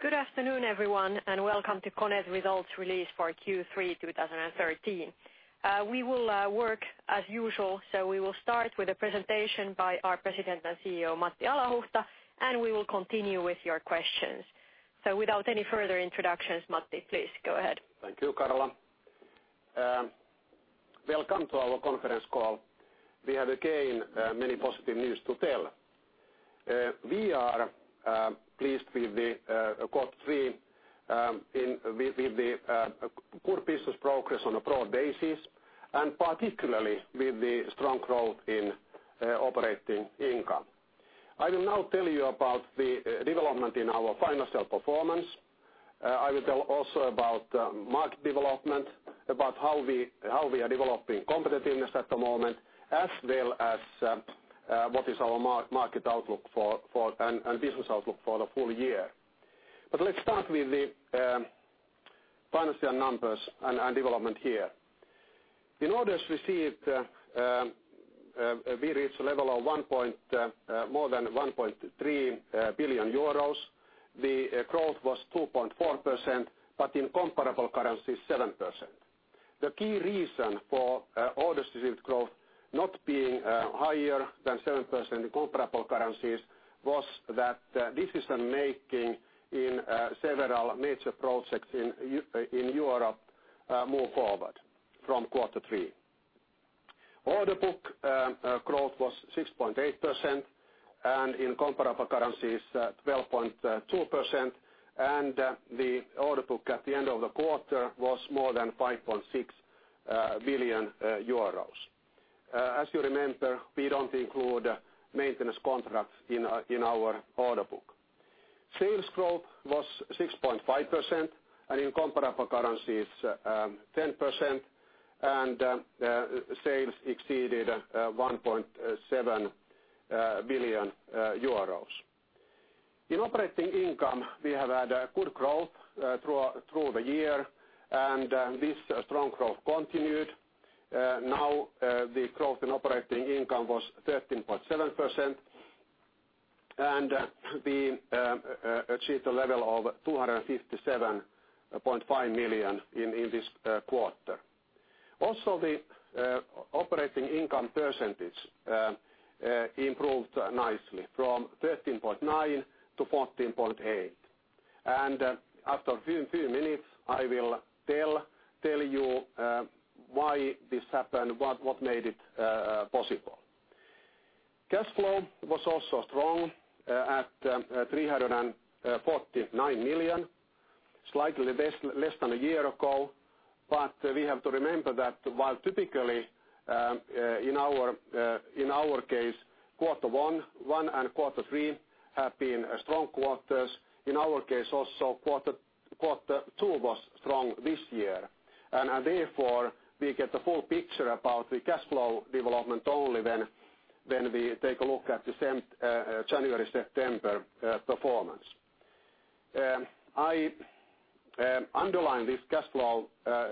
Good afternoon, everyone, welcome to KONE's results release for Q3 2013. We will work as usual, we will start with a presentation by our President and CEO, Matti Alahuhta, we will continue with your questions. Without any further introductions, Matti, please go ahead. Thank you, Karla. Welcome to our conference call. We have again, many positive news to tell. We are pleased with the good business progress on a broad basis, particularly with the strong growth in operating income. I will now tell you about the development in our financial performance. I will tell also about market development, about how we are developing competitiveness at the moment, as well as what is our market outlook and business outlook for the full year. Let's start with the financial numbers and development here. In orders received, we reached a level of more than 1.3 billion euros. The growth was 2.4%, in comparable currency, 7%. The key reason for orders received growth not being higher than 7% in comparable currencies was that decision-making in several major projects in Europe moved forward from quarter three. Order book growth was 6.8%, in comparable currencies, 12.2%, the order book at the end of the quarter was more than 5.6 billion euros. As you remember, we don't include maintenance contracts in our order book. Sales growth was 6.5%, in comparable currencies, 10%, sales exceeded 1.7 billion euros. In operating income, we have had good growth through the year, this strong growth continued. Now the growth in operating income was 13.7% we achieved a level of 257.5 million in this quarter. Also, the operating income percentage improved nicely from 13.9% to 14.8%, after a few minutes, I will tell you why this happened, what made it possible. Cash flow was also strong at 349 million, slightly less than a year ago. We have to remember that while typically, in our case, quarter one and quarter three have been strong quarters, in our case also, quarter two was strong this year. Therefore, we get the full picture about the cash flow development only when we take a look at the January-September performance. I underline this cash flow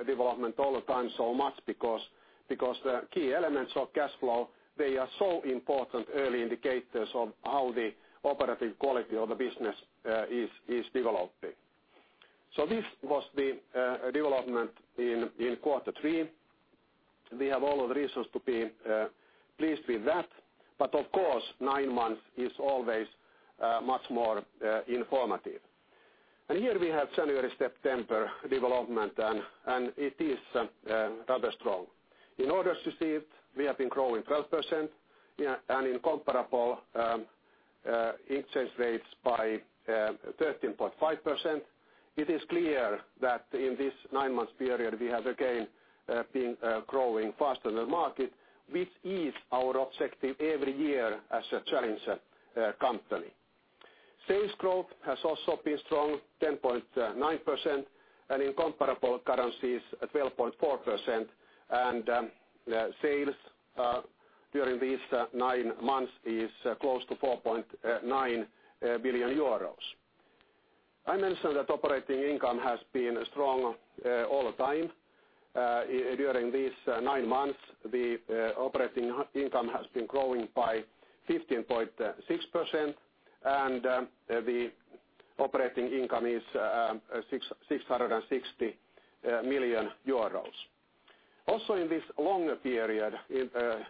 development all the time so much because the key elements of cash flow, they are so important early indicators of how the operative quality of the business is developing. This was the development in quarter three. We have all the reasons to be pleased with that. Of course, nine months is always much more informative. Here we have January-September development it is rather strong. In orders received, we have been growing 12% in comparable currencies by 13.5%. It is clear that in this nine-month period, we have again been growing faster than the market, which is our objective every year as a challenging company. Sales growth has also been strong, 10.9%, and in comparable currencies, 12.4%, and sales during these nine months is close to 4.9 billion euros. I mentioned that operating income has been strong all the time. During these nine months, the operating income has been growing by 15.6% and the operating income is 660 million euros. Also in this longer period,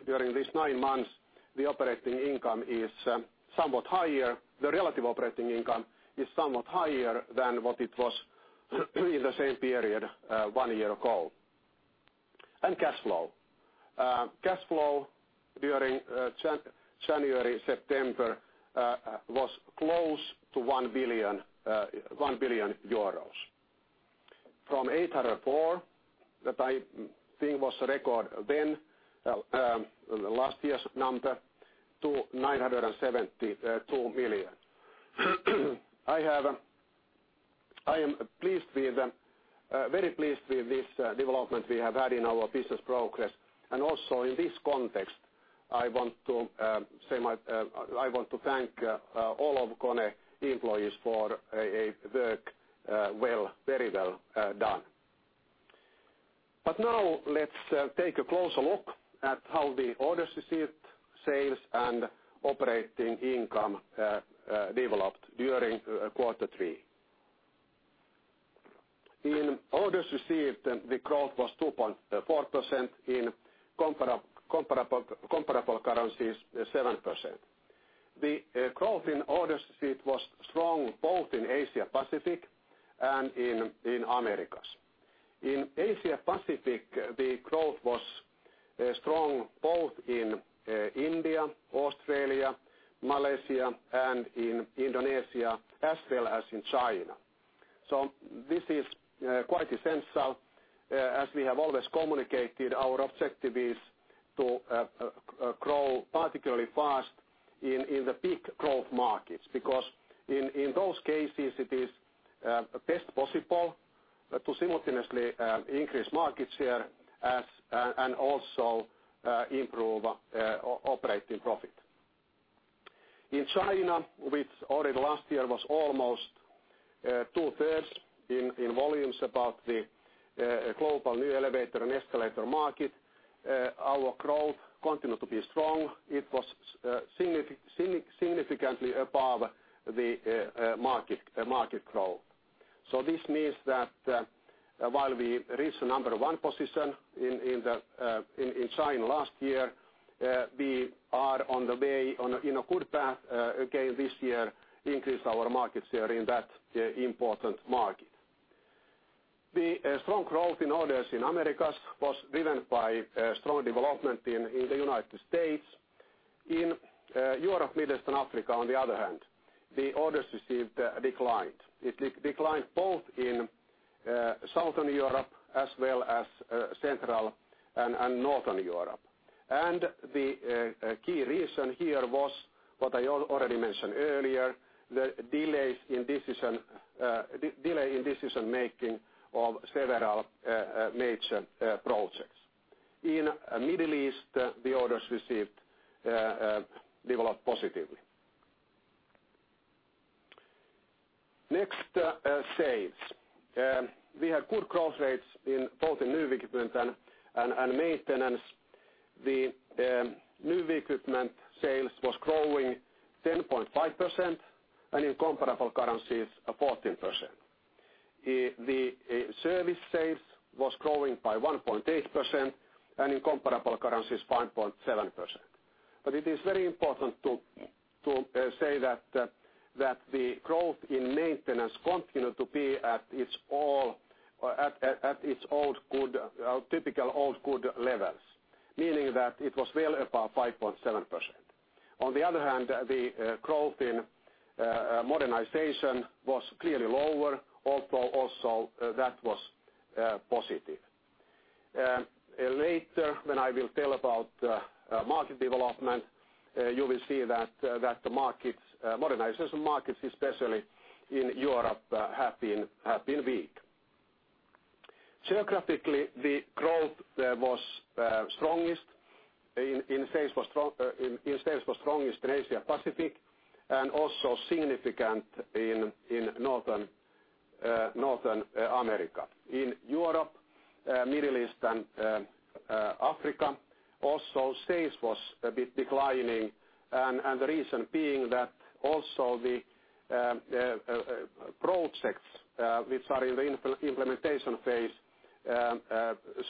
during these nine months, the relative operating income is somewhat higher than what it was in the same period one year ago. Cash flow. Cash flow during January-September was close to 1 billion euros. From 804 million, that I think was a record then, last year's number, to 972 million. I am very pleased with this development we have had in our business progress and also in this context, I want to thank all of KONE employees for a work very well done. Now let's take a closer look at how the orders received, sales, and operating income developed during quarter three. In orders received, the growth was 2.4%, in comparable currencies, 7%. The growth in orders received was strong both in Asia Pacific and in Americas. In Asia Pacific, the growth was strong both in India, Australia, Malaysia, and in Indonesia, as well as in China. This is quite essential. As we have always communicated, our objective is to grow particularly fast in the big growth markets, because in those cases it is best possible to simultaneously increase market share and also improve operating profit. In China, which already last year was almost two-thirds in volumes about the global new elevator and escalator market, our growth continued to be strong. It was significantly above the market growth. This means that while we reached the number one position in China last year, we are on a good path again this year to increase our market share in that important market. The strong growth in orders in Americas was driven by strong development in the United States. Europe, Middle East, and Africa, on the other hand, the orders received declined. It declined both in Southern Europe as well as Central and Northern Europe. The key reason here was what I already mentioned earlier, the delay in decision making of several major projects. Middle East, the orders received developed positively. Next, sales. We had good growth rates both in new equipment and maintenance. The new equipment sales was growing 10.5% and in comparable currencies, 14%. The service sales was growing by 1.8% and in comparable currencies, 5.7%. It is very important to say that the growth in maintenance continued to be at its typical old good levels, meaning that it was well above 5.7%. On the other hand, the growth in modernization was clearly lower, although also that was positive. Later, when I will tell about market development, you will see that the modernization markets, especially in Europe, have been weak. Geographically, the growth there in sales was strongest in Asia Pacific and also significant in Northern America. Europe, Middle East, and Africa also sales was a bit declining and the reason being that also the projects which are in the implementation phase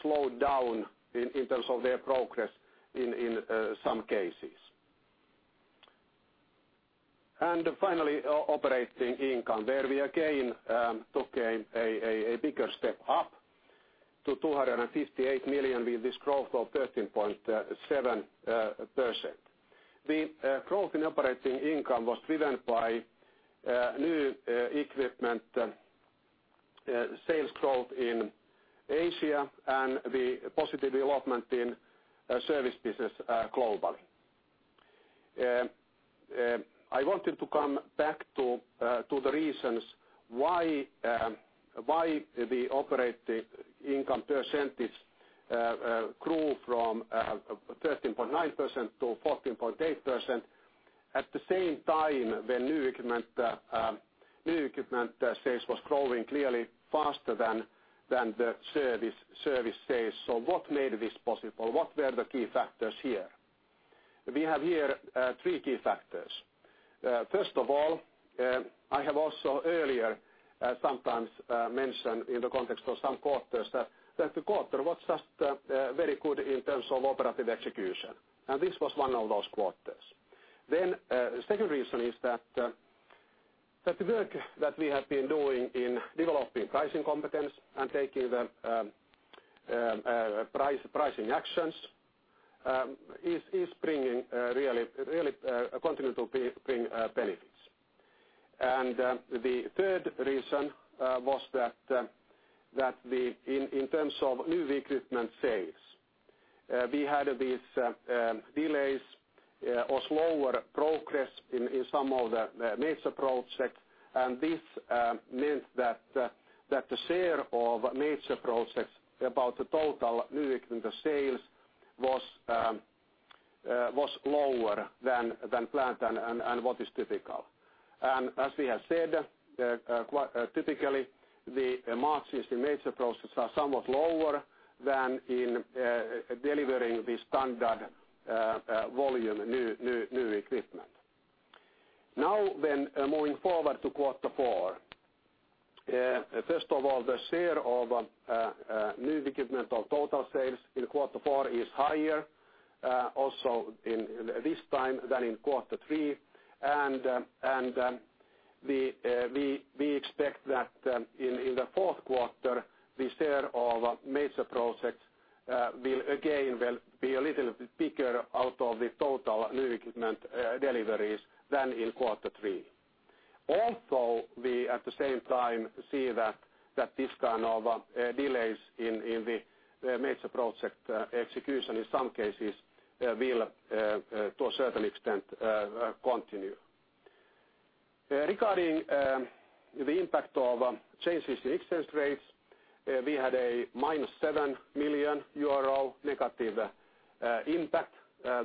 slowed down in terms of their progress in some cases. Finally, operating income, where we again took a bigger step up to 258 million with this growth of 13.7%. The growth in operating income was driven by new equipment sales growth in Asia and the positive development in service business globally. I wanted to come back to the reasons why the operating income percentage grew from 13.9% to 14.8% at the same time when new equipment sales was growing clearly faster than the service sales. What made this possible? What were the key factors here? We have here three key factors. First of all, I have also earlier sometimes mentioned in the context of some quarters that the quarter was just very good in terms of operative execution, and this was one of those quarters. Second reason is that the work that we have been doing in developing pricing competence and taking the pricing actions continue to bring benefits. The third reason was that in terms of new equipment sales we had these delays or slower progress in some of the major projects and this meant that the share of major projects about the total new equipment sales was lower than planned and what is typical. As we have said, typically, the margins in major projects are somewhat lower than in delivering the standard volume new equipment. Moving forward to quarter four. First of all, the share of new equipment of total sales in quarter four is higher. Also in this time than in quarter three, we expect that in the fourth quarter, the share of major projects will again be a little bit bigger out of the total new equipment deliveries than in quarter three. Also, we, at the same time, see that this kind of delays in the major project execution, in some cases will, to a certain extent, continue. Regarding the impact of changes in exchange rates, we had a minus 7 million euro negative impact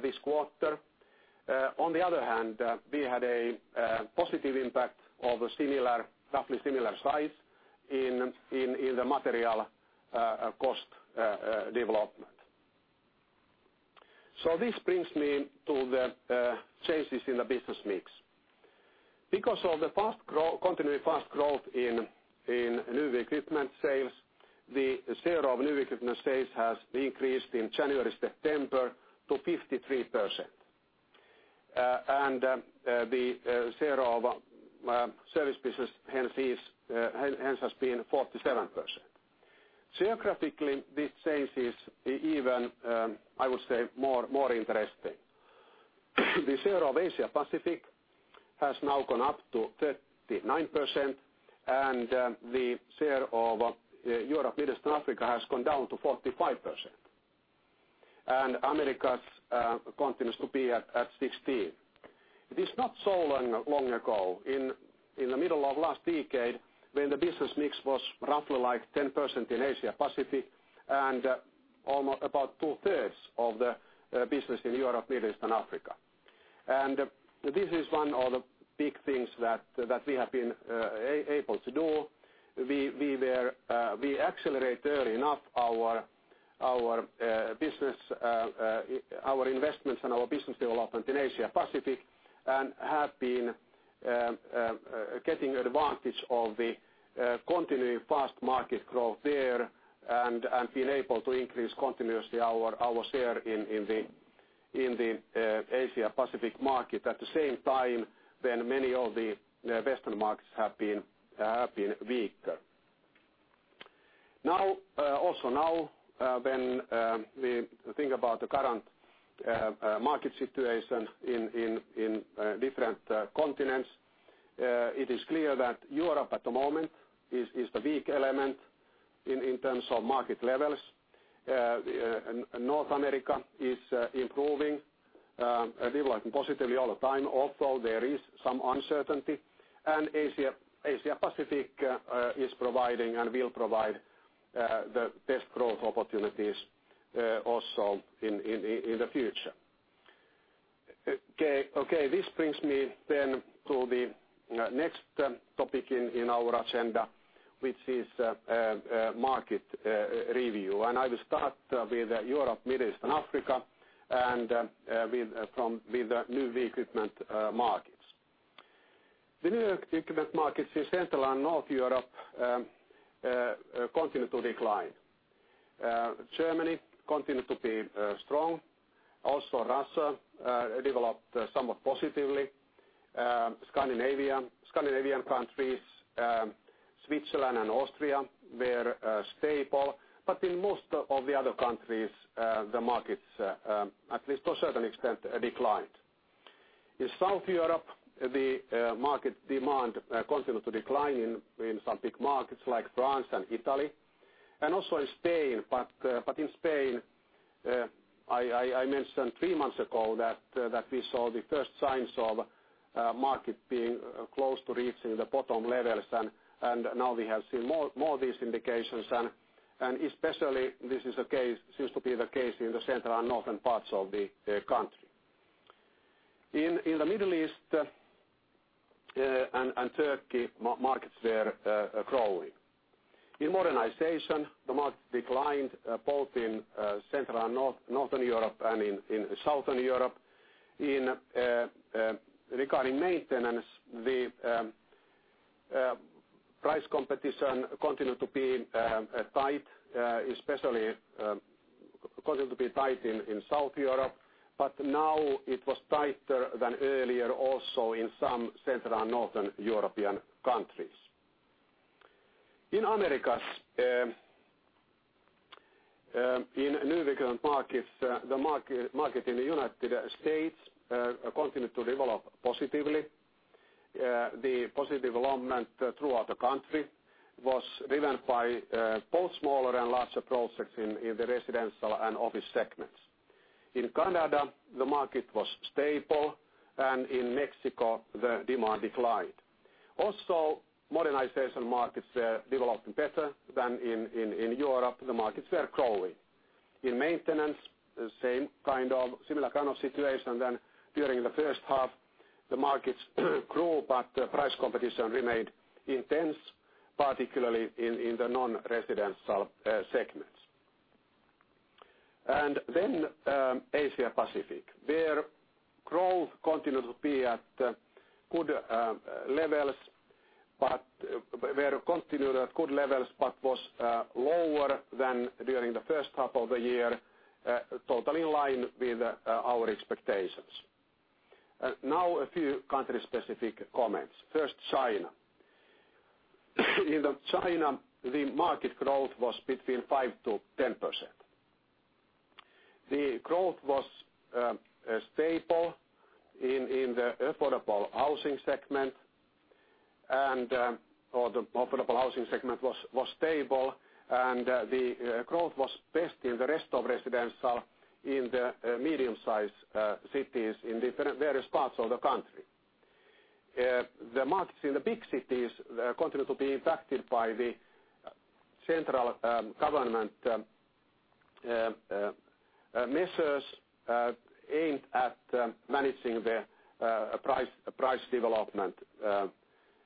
this quarter. On the other hand, we had a positive impact of roughly similar size in the material cost development. This brings me to the changes in the business mix. Because of the continuing fast growth in new equipment sales, the share of new equipment sales has increased in January-September to 53%. The share of service business hence has been 47%. Geographically, this change is even, I would say, more interesting. The share of Asia-Pacific has now gone up to 39%, and the share of Europe, Middle East, and Africa has gone down to 45%. Americas continues to be at 16%. It is not so long ago, in the middle of last decade, when the business mix was roughly 10% in Asia-Pacific, and about two-thirds of the business in Europe, Middle East, and Africa. This is one of the big things that we have been able to do. We accelerate early enough our investments and our business development in Asia-Pacific, and have been getting advantage of the continuing fast market growth there, and been able to increase continuously our share in the Asia-Pacific market at the same time, when many of the Western markets have been weaker. When we think about the current market situation in different continents it is clear that Europe at the moment is the weak element in terms of market levels. North America is improving. Developing positively all the time, although there is some uncertainty. Asia-Pacific is providing, and will provide, the best growth opportunities also in the future. This brings me to the next topic in our agenda, which is market review. I will start with Europe, Middle East, and Africa, and with new equipment markets. The new equipment markets in Central and North Europe continue to decline. Germany continue to be strong. Russia developed somewhat positively. Scandinavian countries, Switzerland, and Austria were stable. In most of the other countries, the markets, at least to a certain extent, declined. In South Europe, the market demand continued to decline in some big markets like France and Italy, and also in Spain. In Spain, I mentioned three months ago that we saw the first signs of market being close to reaching the bottom levels, and now we have seen more of these indications. Especially this seems to be the case in the central and northern parts of the country. In the Middle East and Turkey, markets there are growing. In modernization, the market declined both in Central and Northern Europe and in Southern Europe. Regarding maintenance, the price competition continued to be tight, especially continued to be tight in South Europe. Now it was tighter than earlier also in some Central and Northern European countries. In Americas, in new equipment markets, the market in the United States continued to develop positively. The positive development throughout the country was driven by both smaller and larger projects in the residential and office segments. In Canada, the market was stable, in Mexico, the demand declined. Modernization markets are developing better than in Europe. The markets are growing. In maintenance, similar kind of situation than during the first half. The markets grew, price competition remained intense, particularly in the non-residential segments. Asia-Pacific. Their growth continued to be at good levels, was lower than during the first half of the year, totally in line with our expectations. A few country-specific comments. First, China. In China, the market growth was between 5%-10%. The growth was stable in the affordable housing segment, or the affordable housing segment was stable, the growth was best in the rest of residential in the medium-sized cities in different various parts of the country. The markets in the big cities continue to be impacted by the central government measures aimed at managing the price development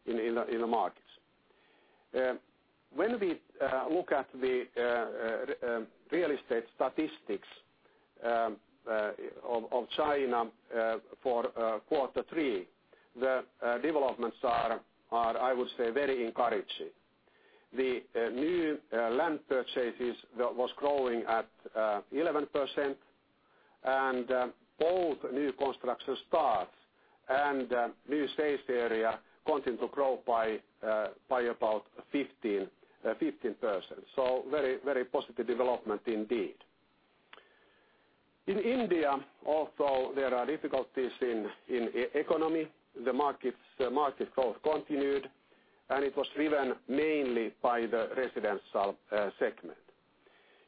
in the markets. When we look at the real estate statistics of China for quarter three, the developments are, I would say, very encouraging. The new land purchases was growing at 11%, both new construction starts and new sales area continue to grow by about 15%. Very positive development indeed. In India, although there are difficulties in economy, the market growth continued, it was driven mainly by the residential segment.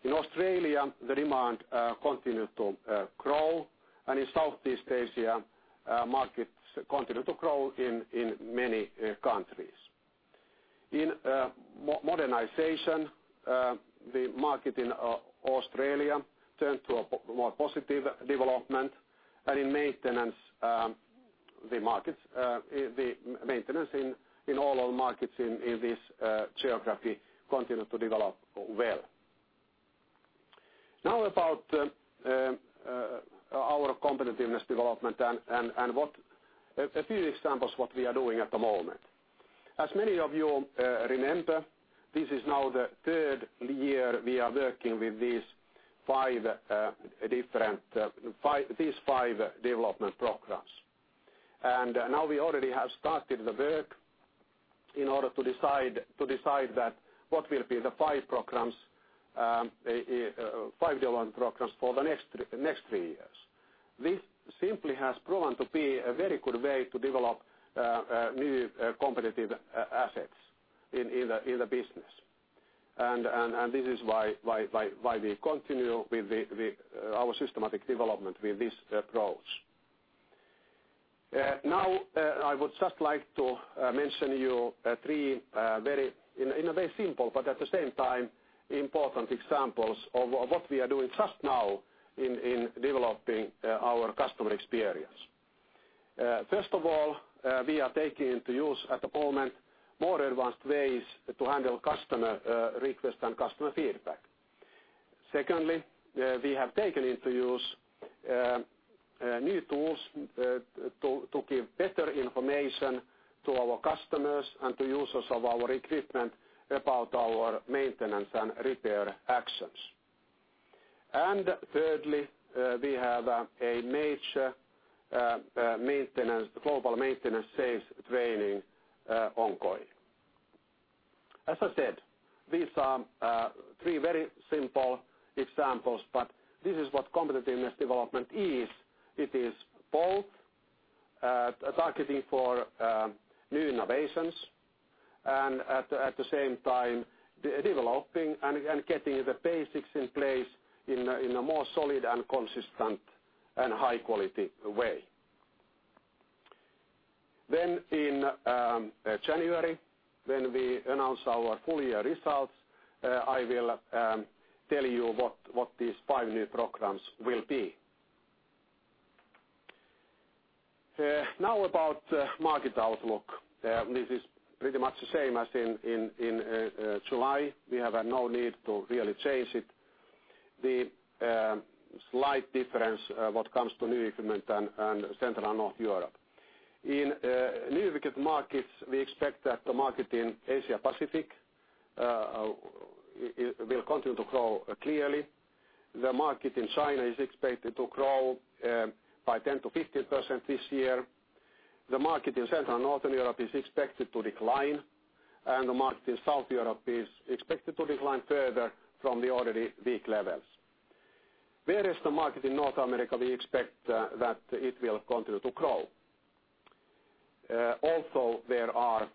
In Australia, the demand continued to grow, in Southeast Asia, markets continued to grow in many countries. In modernization, the market in Australia turned to a more positive development, in maintenance the maintenance in all markets in this geography continued to develop well. About our competitiveness development and a few examples what we are doing at the moment. As many of you remember, this is now the third year we are working with these five development programs. We already have started the work in order to decide what will be the five development programs for the next three years. This simply has proven to be a very good way to develop new competitive assets in the business. This is why we continue with our systematic development with this approach. I would just like to mention you three very simple, but at the same time, important examples of what we are doing just now in developing our customer experience. First of all, we are taking into use, at the moment, more advanced ways to handle customer requests and customer feedback. Secondly, we have taken into use new tools to give better information to our customers and to users of our equipment about our maintenance and repair actions. Thirdly, we have a major global maintenance sales training ongoing. As I said, these are three very simple examples, but this is what competitiveness development is. It is both targeting for new innovations and at the same time developing and getting the basics in place in a more solid and consistent and high-quality way. In January, when we announce our full year results, I will tell you what these five new programs will be. About market outlook. This is pretty much the same as in July. We have no need to really change it. The slight difference what comes to new equipment and Central and North Europe. In new equipment markets, we expect that the market in Asia-Pacific will continue to grow clearly. The market in China is expected to grow by 10%-15% this year. The market in Central and Northern Europe is expected to decline, the market in South Europe is expected to decline further from the already weak levels. The market in North America, we expect that it will continue to grow. Also, there are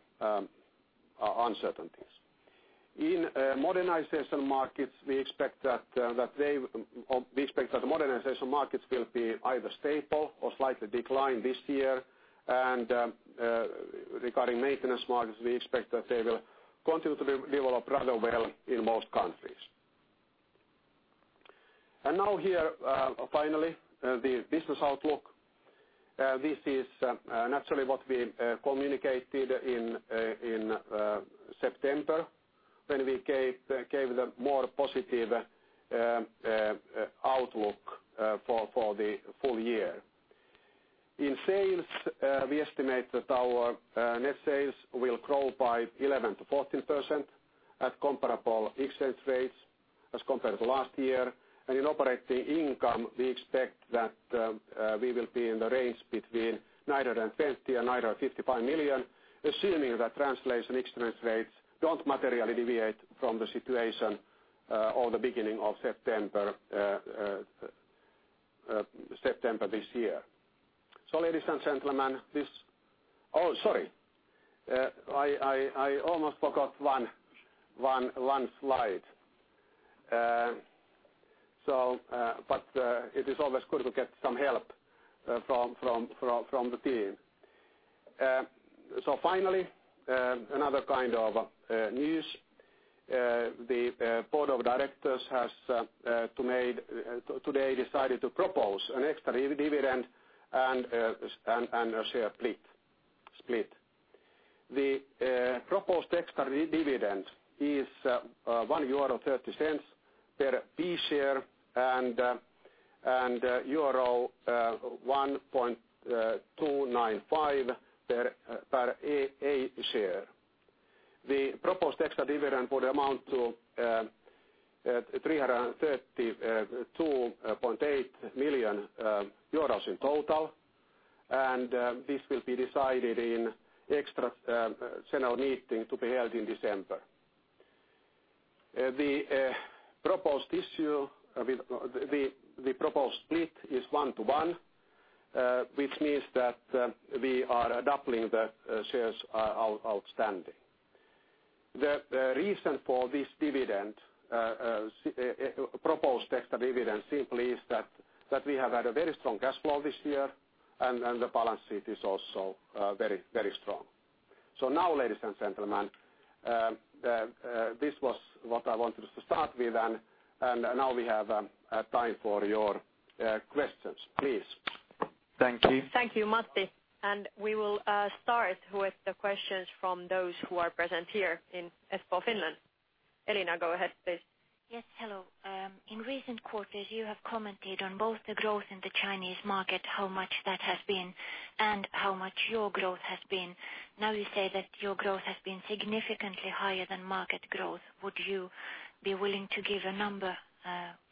uncertainties. In modernization markets, we expect that the modernization markets will be either stable or slightly decline this year. Regarding maintenance markets, we expect that they will continue to develop rather well in most countries. Here, finally, the business outlook. This is naturally what we communicated in September when we gave the more positive outlook for the full year. In sales, we estimate that our net sales will grow by 11%-14% at comparable exchange rates as compared to last year. In operating income, we expect that we will be in the range between 920 million and 955 million, assuming that translation exchange rates don't materially deviate from the situation or the beginning of September this year. Ladies and gentlemen. Oh, sorry. I almost forgot one slide. It is always good to get some help from the team. Finally, another kind of news. The board of directors has today decided to propose an extra dividend and a share split. The proposed extra dividend is 1.30 euro per B share and euro 1.295 per A share. The proposed extra dividend would amount to 332.8 million euros in total, this will be decided in extra general meeting to be held in December. The proposed split is one to one, which means that we are doubling the shares outstanding. The reason for this proposed extra dividend simply is that we have had a very strong cash flow this year and the balance sheet is also very strong. Now, ladies and gentlemen, this was what I wanted to start with, and now we have time for your questions. Please. Thank you. Thank you, Matti. We will start with the questions from those who are present here in Espoo, Finland. Elina, go ahead, please. Yes. Hello. In recent quarters, you have commented on both the growth in the Chinese market, how much that has been, and how much your growth has been. Now you say that your growth has been significantly higher than market growth. Would you be willing to give a number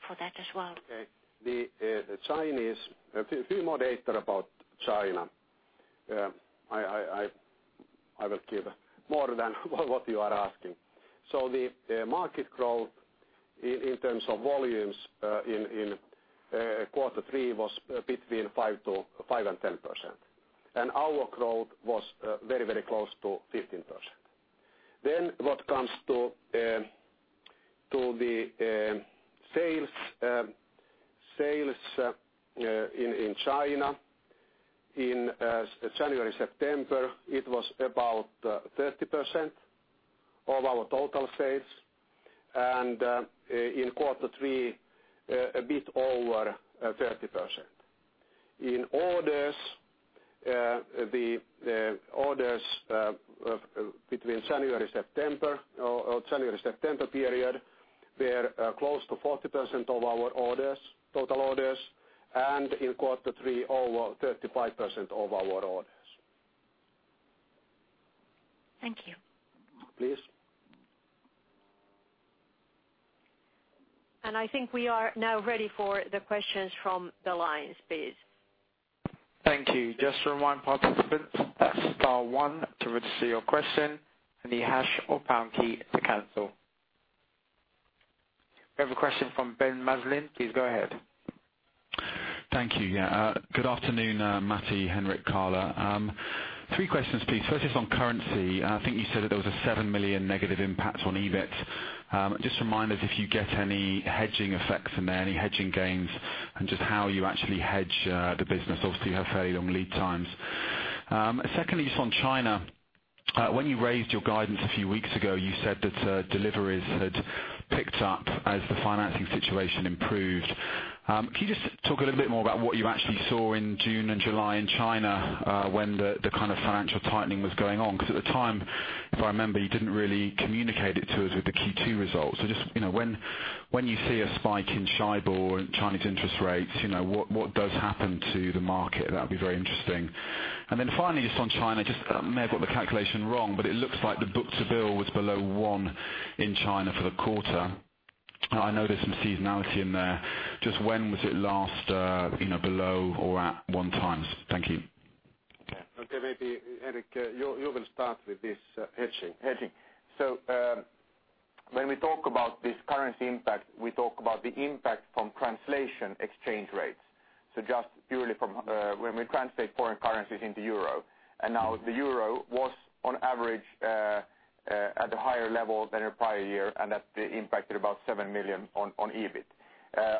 for that as well? A few more data about China. I will give more than what you are asking. The market growth in terms of volumes in quarter three was between 5% and 10%. Our growth was very close to 15%. What comes to the sales in China, in January-September, it was about 30% of our total sales. In quarter three, a bit over 30%. In orders, the orders between January-September period were close to 40% of our total orders, in quarter three, over 35% of our orders. Thank you. Please. I think we are now ready for the questions from the lines, please. Thank you. Just to remind participants, that is star one to register your question and the hash or pound key to cancel. We have a question from Ben Maslen. Please go ahead. Thank you. Good afternoon, Matti, Henrik, Karla. Three questions, please. First is on currency. I think you said that there was a 7 million negative impact on EBIT. Just remind us if you get any hedging effects in there, any hedging gains, and just how you actually hedge the business. Obviously, you have very long lead times. Secondly, just on China. When you raised your guidance a few weeks ago, you said that deliveries had picked up as the financing situation improved. Can you just talk a little bit more about what you actually saw in June and July in China when the kind of financial tightening was going on? At the time, if I remember, you didn't really communicate it to us with the Q2 results. Just when you see a spike in SHIBOR and Chinese interest rates, what does happen to the market? That'd be very interesting. Finally, just on China, I may have got the calculation wrong, but it looks like the book-to-bill was below one in China for the quarter. I know there's some seasonality in there. Just when was it last below or at one times? Thank you. Okay. Maybe Henrik, you will start with this hedging. When we talk about this currency impact, we talk about the impact from translation exchange rates. Just purely from when we translate foreign currencies into EUR. Now the EUR was on average, at a higher level than our prior year, and that impacted about 7 million on EBIT.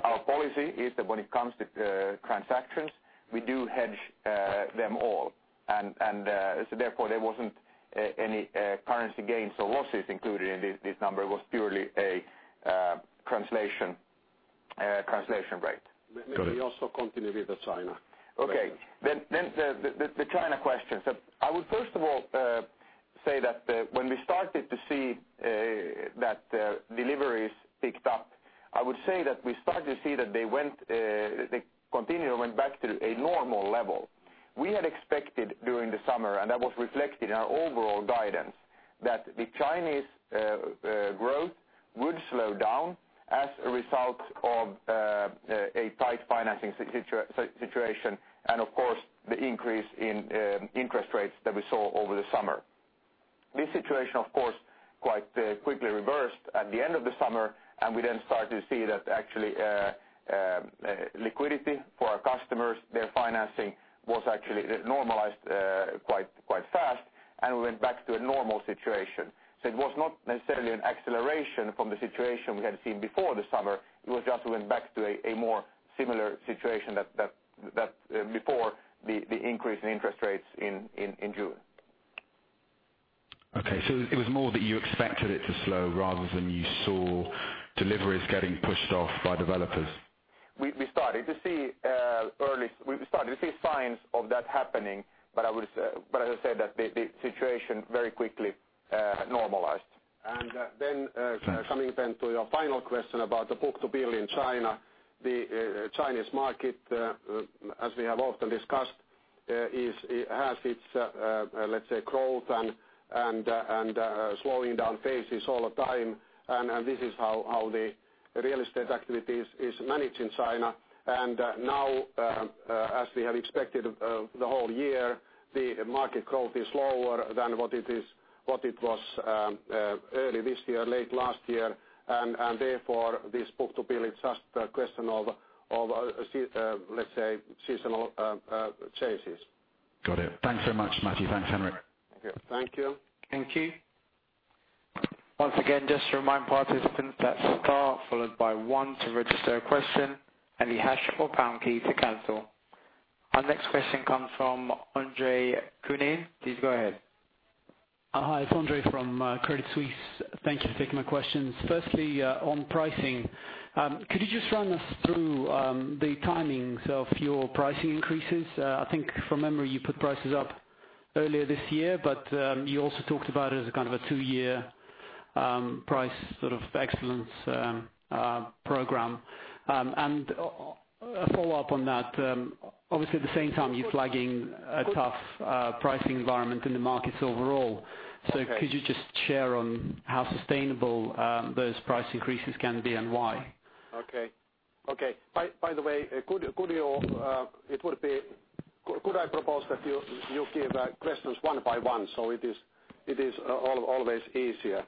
Our policy is that when it comes to transactions, we do hedge them all. There wasn't any currency gains or losses included in this number. It was purely a translation rate. Got it. Also continue with China. The China question. I would first of all say that when we started to see that deliveries picked up, I would say that we started to see that the continuum went back to a normal level. We had expected during the summer, and that was reflected in our overall guidance, that the Chinese growth would slow down as a result of a tight financing situation and of course, the increase in interest rates that we saw over the summer. This situation, of course, quite quickly reversed at the end of the summer, we then started to see that actually, liquidity for our customers, their financing was actually normalized quite fast, and we went back to a normal situation. It was not necessarily an acceleration from the situation we had seen before the summer, it was just went back to a more similar situation that, before the increase in interest rates in June. Okay, it was more that you expected it to slow rather than you saw deliveries getting pushed off by developers. We started to see signs of that happening, as I said that the situation very quickly normalized. Then, coming then to your final question about the book-to-bill in China. The Chinese market, as we have often discussed, has its, let's say growth and slowing down phases all the time. This is how the real estate activities is managed in China. Now, as we have expected the whole year, the market growth is lower than what it was early this year, late last year. Therefore this book-to-bill is just a question of let's say, seasonal changes. Got it. Thanks so much, Matti. Thanks, Henrik. Thank you. Thank you. Thank you. Once again, just to remind participants, press star followed by one to register a question and the hash or pound key to cancel. Our next question comes from Andre Kukhnin. Please go ahead. Hi, it's Andre from Crédit Suisse. Thank you for taking my questions. Firstly, on pricing, could you just run us through the timings of your pricing increases? I think from memory, you put prices up earlier this year, but you also talked about it as a kind of a two-year price sort of excellence program. A follow-up on that. Obviously at the same time you're flagging a tough pricing environment in the markets overall. Okay. Could you just share on how sustainable those price increases can be and why? Okay. By the way, could I propose that you give questions one by one, it is always easier?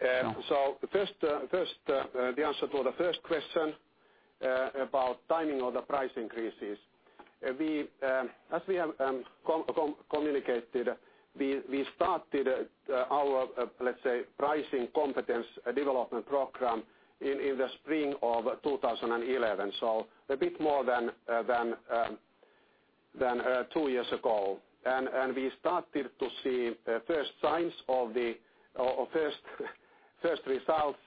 Sure. The answer to the first question about timing of the price increases. As we have communicated, we started our pricing competence development program in the spring of 2011, a bit more than two years ago. We started to see first signs or first results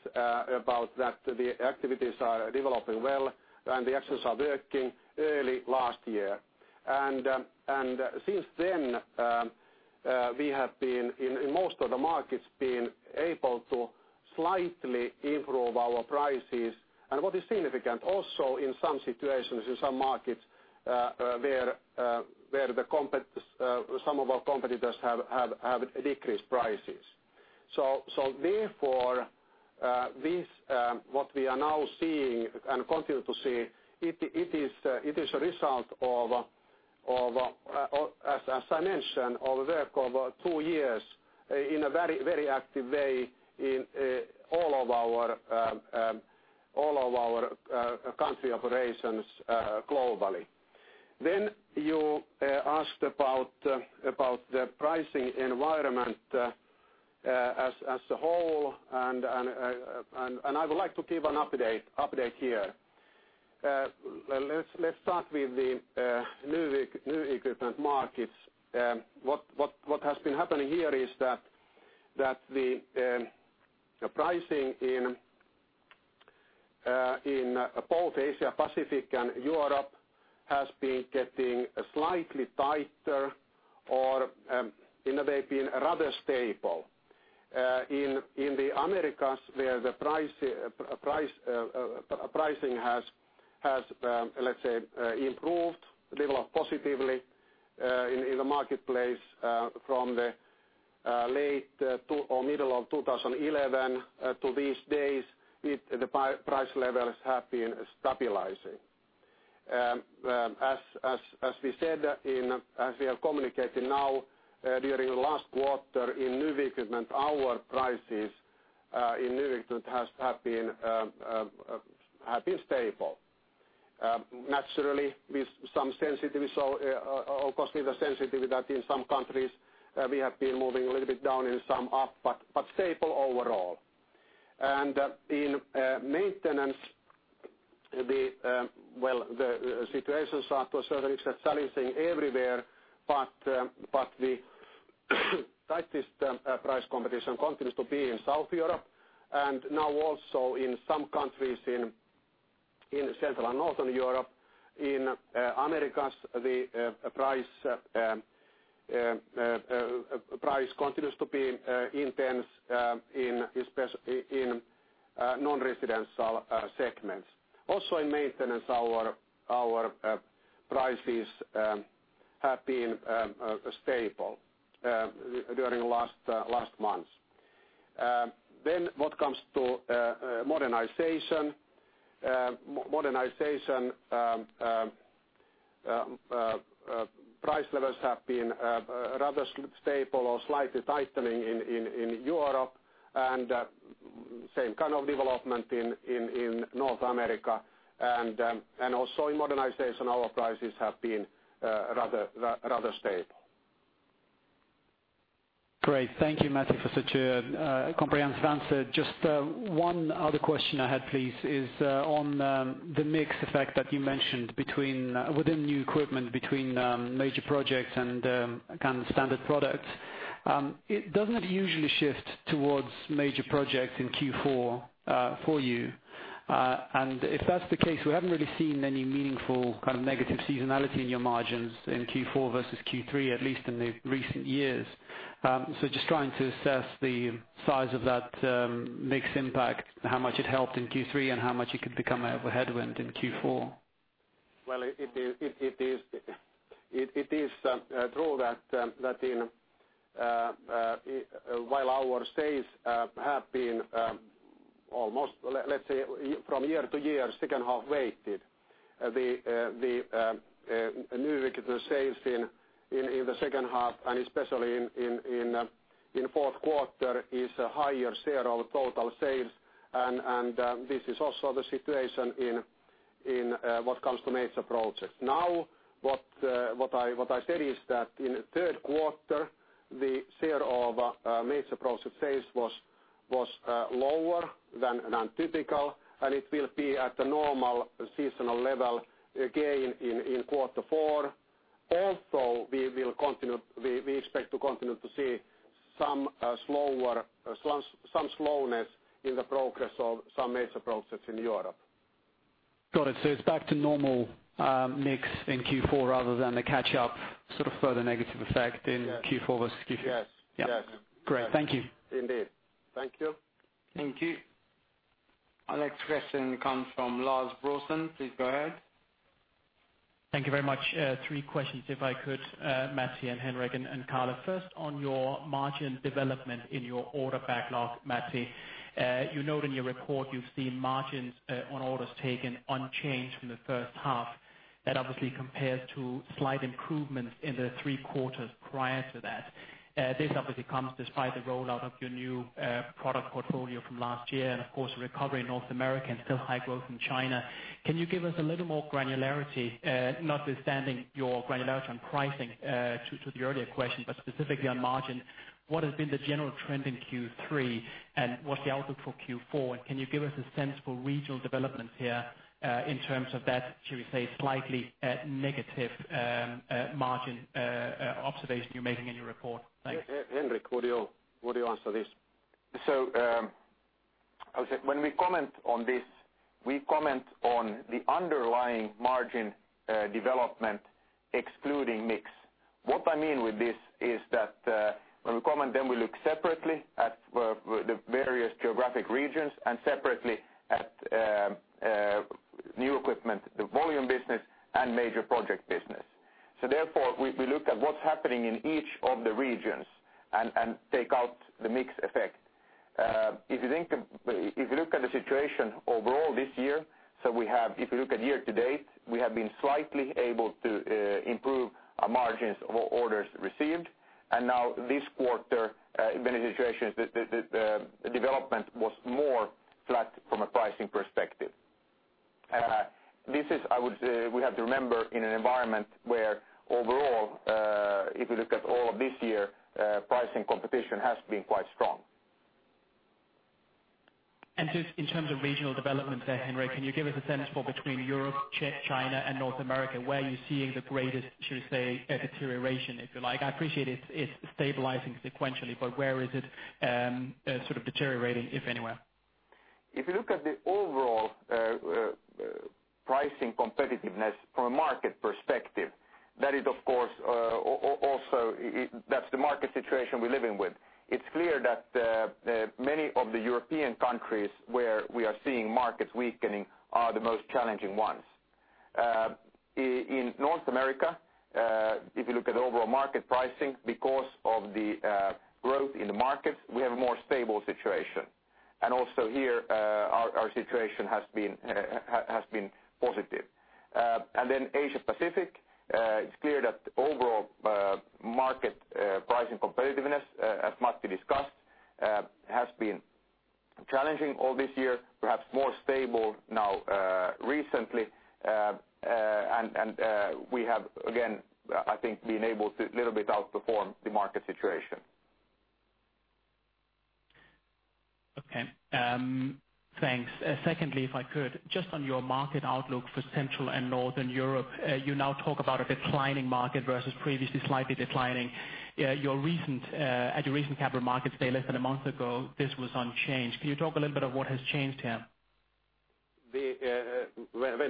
about that the activities are developing well and the actions are working early last year. Since then, we have been, in most of the markets, being able to slightly improve our prices. What is significant also in some situations, in some markets where some of our competitors have decreased prices. Therefore, what we are now seeing and continue to see, it is a result of, as I mentioned, our work over two years in a very active way in all of our country operations globally. You asked about the pricing environment as a whole and I would like to give an update here. Let's start with the new equipment markets. What has been happening here is that the pricing in both Asia Pacific and Europe has been getting slightly tighter or been rather stable. In the Americas where the pricing has, let's say, improved, developed positively in the marketplace from the late or middle of 2011 to these days, the price levels have been stabilizing. As we have communicated now, during last quarter in new equipment, our prices in new equipment have been stable. Naturally, of course we are sensitive that in some countries we have been moving a little bit down, in some up, but stable overall. In maintenance, the situations are to a certain extent challenging everywhere, but the tightest price competition continues to be in South Europe and now also in some countries in Central and Northern Europe. In Americas, the price continues to be intense in non-residential segments. Also in maintenance, our prices have been stable during last month. What comes to modernization. Modernization price levels have been rather stable or slightly tightening in Europe and same kind of development in North America, and also in modernization, our prices have been rather stable. Great. Thank you, Matti, for such a comprehensive answer. Just one other question I had, please, is on the mix effect that you mentioned within new equipment between major projects and standard products. Doesn't it usually shift towards major projects in Q4 for you? If that's the case, we haven't really seen any meaningful kind of negative seasonality in your margins in Q4 versus Q3, at least in the recent years. Just trying to assess the size of that mix impact, how much it helped in Q3, and how much it could become a headwind in Q4. It is true that while our sales have been almost, let's say, from year to year, second half weighted. The new equipment sales in the second half and especially in fourth quarter is a higher share of total sales and this is also the situation in what comes to major projects. What I said is that in the third quarter, the share of major process sales was lower than typical, and it will be at a normal seasonal level again in quarter four. Also, we expect to continue to see some slowness in the progress of some major projects in Europe. Got it. It's back to normal mix in Q4 rather than the catch-up further negative effect in Q4 versus Q3. Yes. Yeah. Great. Thank you. Indeed. Thank you. Thank you. Our next question comes from Lars Brorson. Please go ahead. Thank you very much. Three questions if I could, Matti and Henrik and Karla. First, on your margin development in your order backlog, Matti. You note in your report you've seen margins on orders taken unchanged from the first half. That obviously compares to slight improvements in the three quarters prior to that. This obviously comes despite the rollout of your new product portfolio from last year and of course, recovery in North America and still high growth in China. Can you give us a little more granularity, notwithstanding your granularity on pricing to the earlier question, but specifically on margin, what has been the general trend in Q3 and what's the outlook for Q4? Can you give us a sense for regional developments here, in terms of that, should we say, slightly negative margin observation you're making in your report? Thanks. Henrik, would you answer this? When we comment on this, we comment on the underlying margin development excluding mix. What I mean with this is that when we comment, then we look separately at the various geographic regions and separately at new equipment, the volume business and major project business. Therefore we look at what's happening in each of the regions and take out the mix effect. If you look at the situation overall this year, if you look at year-to-date, we have been slightly able to improve our margins of orders received. Now this quarter, the development was more flat from a pricing perspective. We have to remember in an environment where overall, if you look at all of this year, pricing competition has been quite strong. Just in terms of regional development there, Henrik, can you give us a sense for between Europe, China and North America, where are you seeing the greatest, should we say, deterioration, if you like? I appreciate it's stabilizing sequentially, but where is it sort of deteriorating, if anywhere? If you look at the overall pricing competitiveness from a market perspective, that's the market situation we're living with. It's clear that many of the European countries where we are seeing markets weakening are the most challenging ones. In North America, if you look at overall market pricing, because of the growth in the markets, we have a more stable situation. Also here, our situation has been positive. Asia Pacific, it's clear that overall market pricing competitiveness, as Matti discussed, has been challenging all this year, perhaps more stable now recently. We have, again, I think, been able to little bit outperform the market situation. Okay. Thanks. Secondly, if I could, just on your market outlook for Central and Northern Europe, you now talk about a declining market versus previously slightly declining. At your recent capital markets day less than a month ago, this was unchanged. Can you talk a little bit of what has changed here? When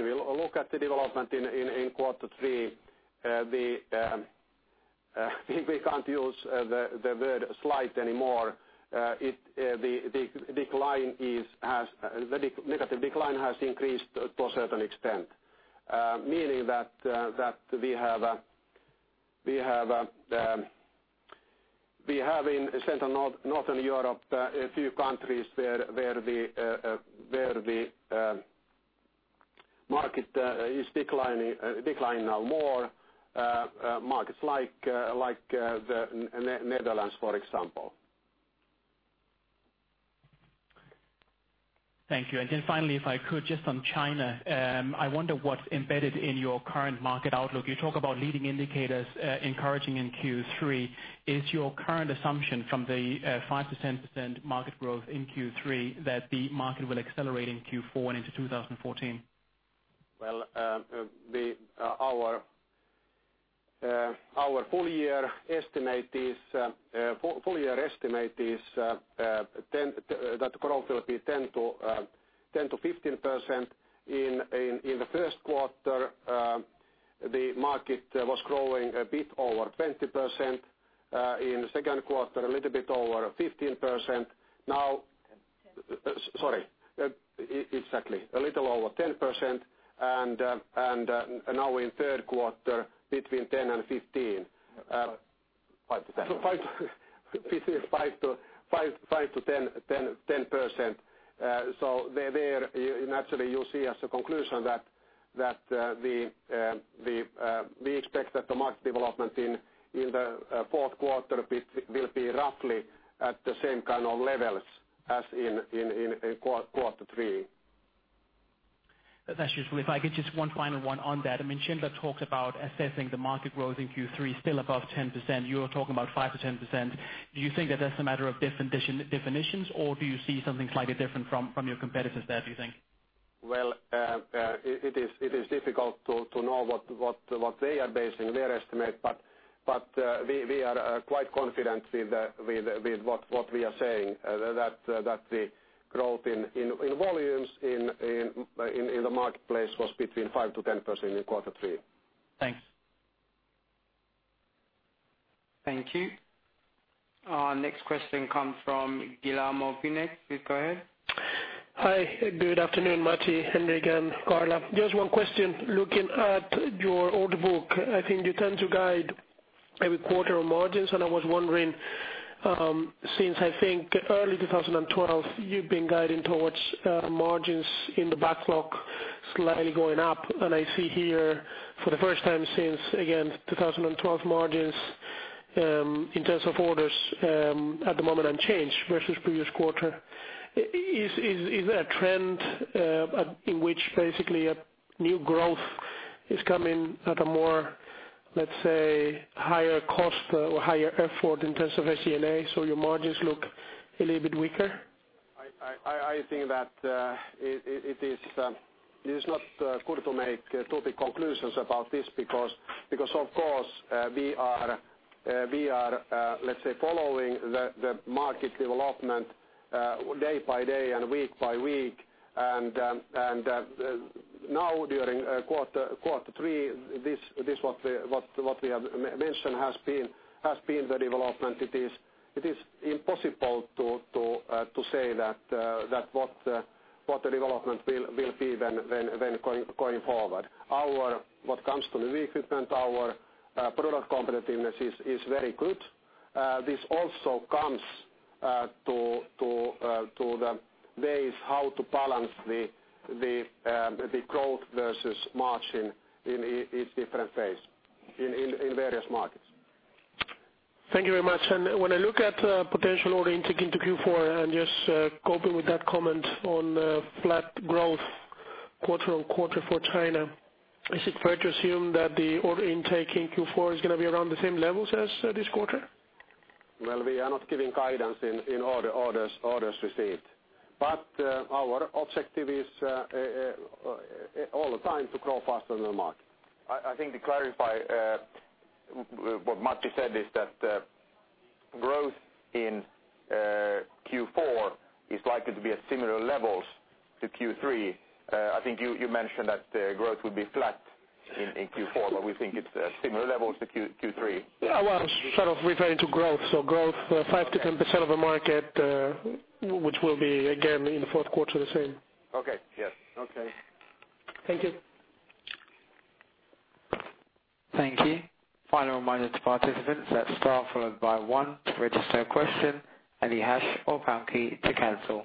we look at the development in quarter three we can't use the word slight anymore. The negative decline has increased to a certain extent, meaning that we have in Central Northern Europe, a few countries where the market is declining now more, markets like the Netherlands, for example. Thank you. Finally, if I could just on China. I wonder what's embedded in your current market outlook. You talk about leading indicators encouraging in Q3. Is your current assumption from the 5%-10% market growth in Q3 that the market will accelerate in Q4 and into 2014? Well, our full year estimate is that the growth will be 10%-15%. In the first quarter, the market was growing a bit over 20%, in the second quarter a little bit over 15%. 10. Sorry. Exactly. A little over 10% and now in third quarter between 10% and 15%. 5%-10%. 5%-10%. There naturally you see as a conclusion that we expect that the market development in the fourth quarter will be roughly at the same kind of levels as in quarter three. That's useful. If I get just one final one on that. Schindler talked about assessing the market growth in Q3 still above 10%. You're talking about 5%-10%. Do you think that that's a matter of definitions or do you see something slightly different from your competitors there, do you think? It is difficult to know what they are basing their estimate but we are quite confident with what we are saying that the growth in volumes in the marketplace was between 5%-10% in quarter three. Thanks. Thank you. Our next question comes from Guillermo Pino. Please go ahead. Hi. Good afternoon, Matti, Henrik, and Karla. Just one question. Looking at your order book, I think you tend to guide every quarter on margins. I was wondering since I think early 2012, you've been guiding towards margins in the backlog slightly going up and I see here for the first time since again, 2012 margins in terms of orders at the moment unchanged versus previous quarter. Is it a trend in which basically a new growth is coming at a more, let's say, higher cost or higher effort in terms of SG&A so your margins look a little bit weaker? I think that it is not good to make topic conclusions about this because of course we are let's say, following the market development day by day and week by week and now during quarter three this what we have mentioned has been the development. It is impossible to say that what the development will be then going forward. What comes to the recruitment, our product competitiveness is very good. This also comes to the ways how to balance the growth versus margin in its different phase in various markets. Thank you very much. When I look at potential order intake into Q4 and just coping with that comment on flat growth quarter-on-quarter for China, is it fair to assume that the order intake in Q4 is going to be around the same levels as this quarter? Well, we are not giving guidance in orders received. Our objective is all the time to grow faster than the market. I think to clarify what Matti said is that growth in Q4 is likely to be at similar levels to Q3. I think you mentioned that growth would be flat in Q4, but we think it's similar levels to Q3. Yeah, well, I was sort of referring to growth. Growth 5%-10% of a market which will be again in the fourth quarter the same. Okay. Yes. Okay. Thank you. Thank you. Final reminder to participants that star followed by one to register a question and the hash or pound key to cancel.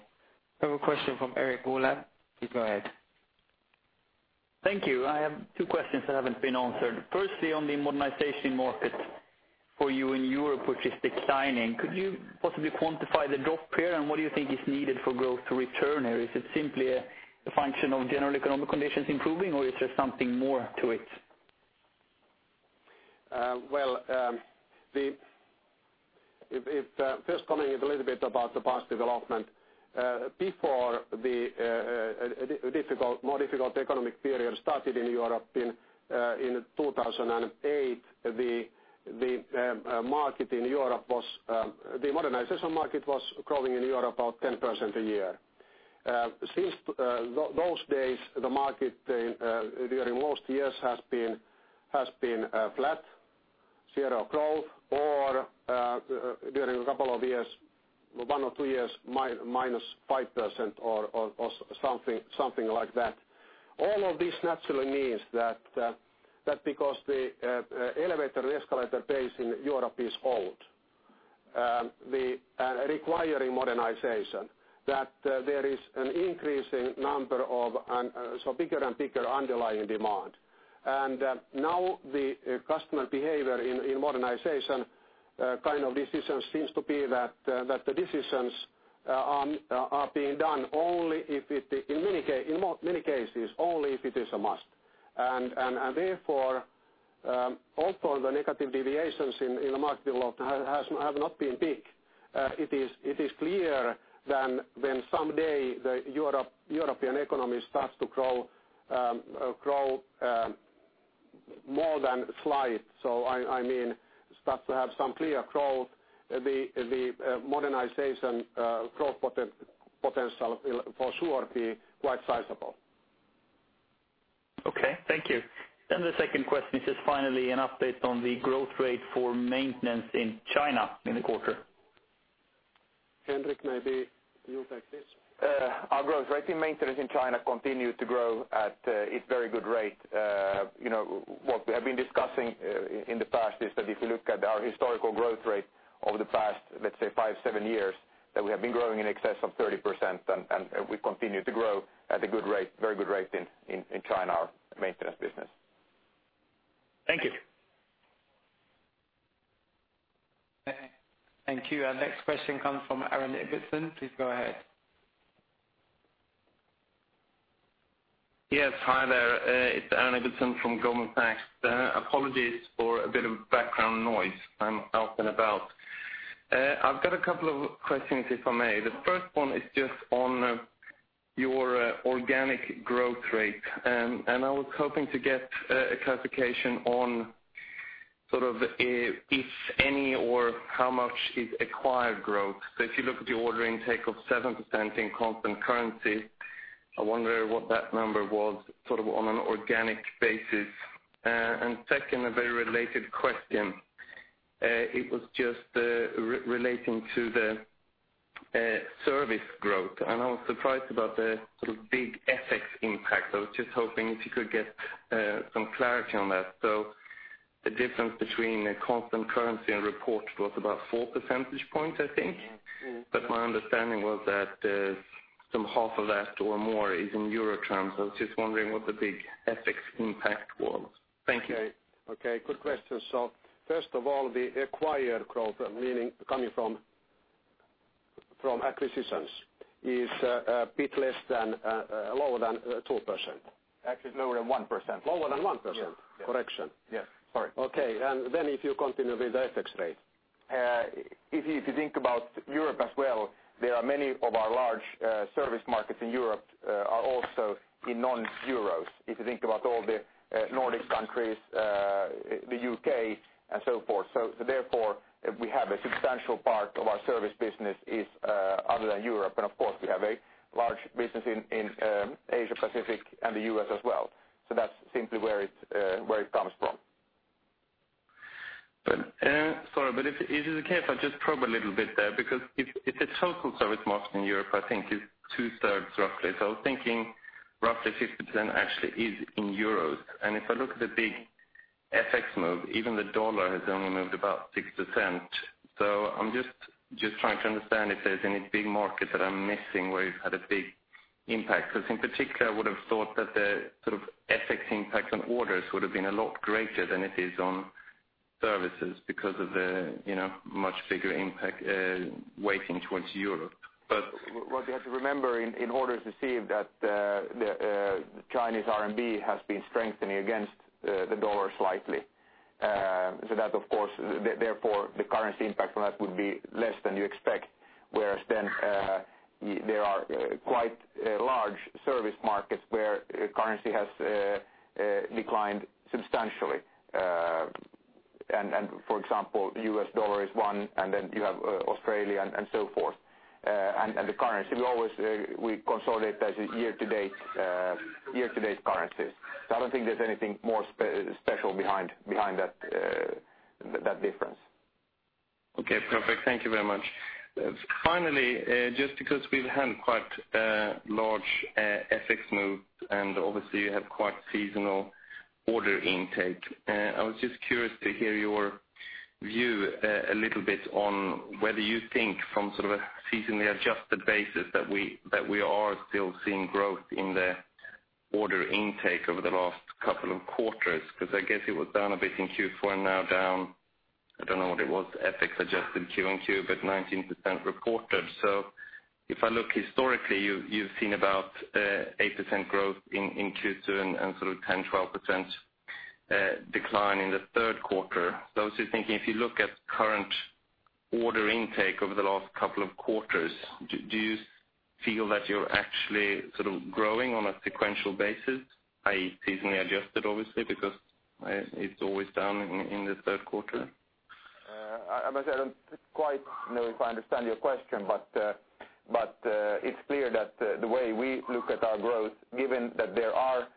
We have a question from Eric Bolan. Please go ahead. Thank you. I have two questions that haven't been answered. Firstly, on the modernization market for you in Europe, which is declining. Could you possibly quantify the drop here and what do you think is needed for growth to return here? Is it simply a function of general economic conditions improving or is there something more to it? Well, first comment is a little bit about the past development. Before the more difficult economic period started in Europe in 2008, the modernization market was growing in Europe about 10% a year. Since those days, the market during most years has been flat, zero growth or during one or two years, minus 5% or something like that. All of this naturally means that because the elevator and escalator base in Europe is old, requiring modernization, that there is an increasing number of bigger and bigger underlying demand. Now the customer behavior in modernization kind of decisions seems to be that the decisions are being done, in many cases, only if it is a must. Therefore, although the negative deviations in the market development have not been big, it is clearer than when someday the European economy starts to grow more than slight. I mean, starts to have some clear growth, the modernization growth potential will for sure be quite sizable. Okay. Thank you. The second question is just finally an update on the growth rate for maintenance in China in the quarter. Henrik, maybe you take this. Our growth rate in maintenance in China continued to grow at a very good rate. What we have been discussing in the past is that if you look at our historical growth rate over the past, let's say five, seven years, that we have been growing in excess of 30% and we continue to grow at a very good rate in China, our maintenance business. Thank you. Thank you. Our next question comes from Aaron Gibson. Please go ahead. Yes. Hi there. It's Aaron Gibson from Goldman Sachs. Apologies for a bit of background noise. I'm out and about. I've got a couple of questions, if I may. The first one is just on your organic growth rate. I was hoping to get a clarification on sort of if any or how much is acquired growth. If you look at the order intake of 7% in constant currency, I wonder what that number was sort of on an organic basis. Second, a very related question. It was just relating to the service growth and I was surprised about the sort of big FX impact. I was just hoping if you could get some clarity on that. The difference between a constant currency and reported was about four percentage points, I think. My understanding was that some half of that or more is in Euro terms. I was just wondering what the big FX impact was. Thank you. Okay. Good question. First of all, the acquired growth, meaning coming from acquisitions, is a bit lower than 2%. Actually it's lower than 1%. Lower than 1%? Yeah. Correction. Yes. Sorry. Okay. If you continue with the FX rate. If you think about Europe as well, there are many of our large service markets in Europe are also in non-euros. If you think about all the Nordic countries, the U.K. and so forth. Therefore, we have a substantial part of our service business is other than Europe, and of course we have a large business in Asia, Pacific and the U.S. as well. That's simply where it comes from. Sorry, is it okay if I just probe a little bit there because if the total service market in Europe, I think is two thirds roughly. I was thinking roughly 50% actually is in EUR. If I look at the big FX move, even the USD has only moved about 60%. I'm just trying to understand if there's any big market that I'm missing where you've had a big impact, because in particular I would have thought that the sort of FX impact on orders would have been a lot greater than it is on services because of the much bigger impact weighting towards Europe. What you have to remember in orders received that the Chinese RMB has been strengthening against the USD slightly. That of course, therefore the currency impact from that would be less than you expect. Whereas, there are quite large service markets where currency has declined substantially. For example, USD is one and then you have Australia and so forth. The currency, we consolidate as year-to-date currencies. I don't think there's anything more special behind that difference. Okay, perfect. Thank you very much. Finally, just because we've had quite a large FX move, and obviously you have quite seasonal order intake, I was just curious to hear your view a little bit on whether you think from a seasonally adjusted basis that we are still seeing growth in the order intake over the last couple of quarters, because I guess it was down a bit in Q4, now down, I don't know what it was, FX adjusted quarter-over-quarter, but 19% reported. If I look historically, you've seen about 8% growth in Q2 and sort of 10%-12% decline in the third quarter. I was just thinking, if you look at current order intake over the last couple of quarters, do you feel that you're actually growing on a sequential basis, i.e., seasonally adjusted obviously, because it's always down in the third quarter? I must say, I don't quite know if I understand your question, but it's clear that the way we look at our growth, given that there are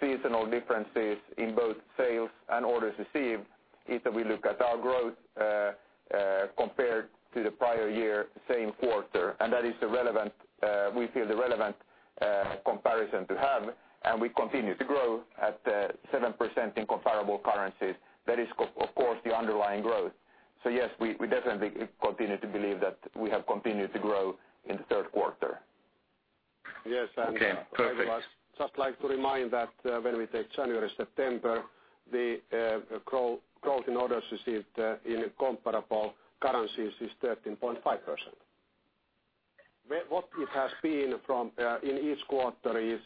seasonal differences in both sales and orders received, is that we look at our growth compared to the prior year, same quarter. That is we feel the relevant comparison to have, and we continue to grow at 7% in comparable currencies. That is, of course, the underlying growth. Yes, we definitely continue to believe that we have continued to grow in the third quarter. Okay, perfect. Yes, I would just like to remind that when we take January to September, the growth in orders received in comparable currencies is 13.5%. What it has been in each quarter is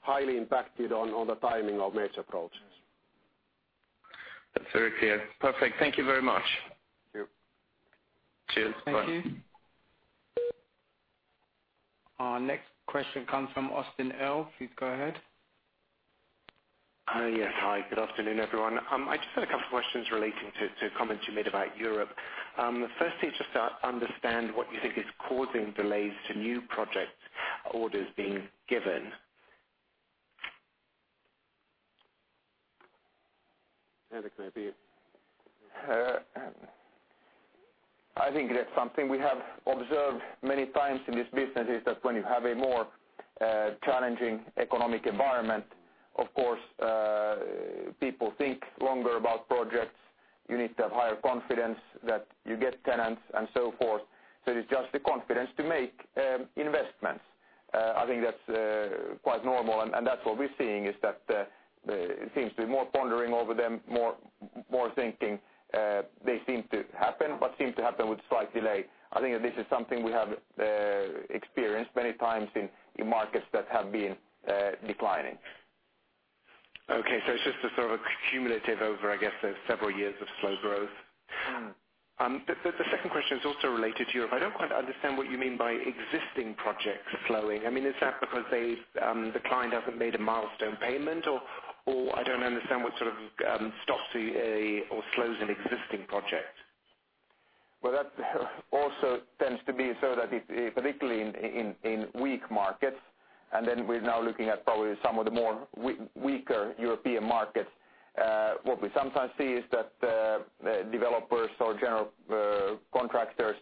highly impacted on the timing of major projects. That's very clear. Perfect. Thank you very much. Thank you. Cheers. Bye. Thank you. Our next question comes from Austin Earl. Please go ahead. Hi. Good afternoon, everyone. I just had a couple of questions relating to comments you made about Europe. Firstly, just to understand what you think is causing delays to new project orders being given. Henrik, maybe. I think that's something we have observed many times in this business, is that when you have a more challenging economic environment, of course, people think longer about projects. You need to have higher confidence that you get tenants and so forth. It's just the confidence to make investments. I think that's quite normal, and that's what we're seeing, is that there seems to be more pondering over them, more thinking. They seem to happen, but seem to happen with slight delay. I think that this is something we have experienced many times in markets that have been declining. Okay. It's just a sort of a cumulative over, I guess, several years of slow growth. The second question is also related to Europe. I don't quite understand what you mean by existing projects slowing. Is that because the client hasn't made a milestone payment, or I don't understand what sort of stops or slows an existing project. Well, that also tends to be so that particularly in weak markets, then we're now looking at probably some of the more weaker European markets. What we sometimes see is that developers or general contractors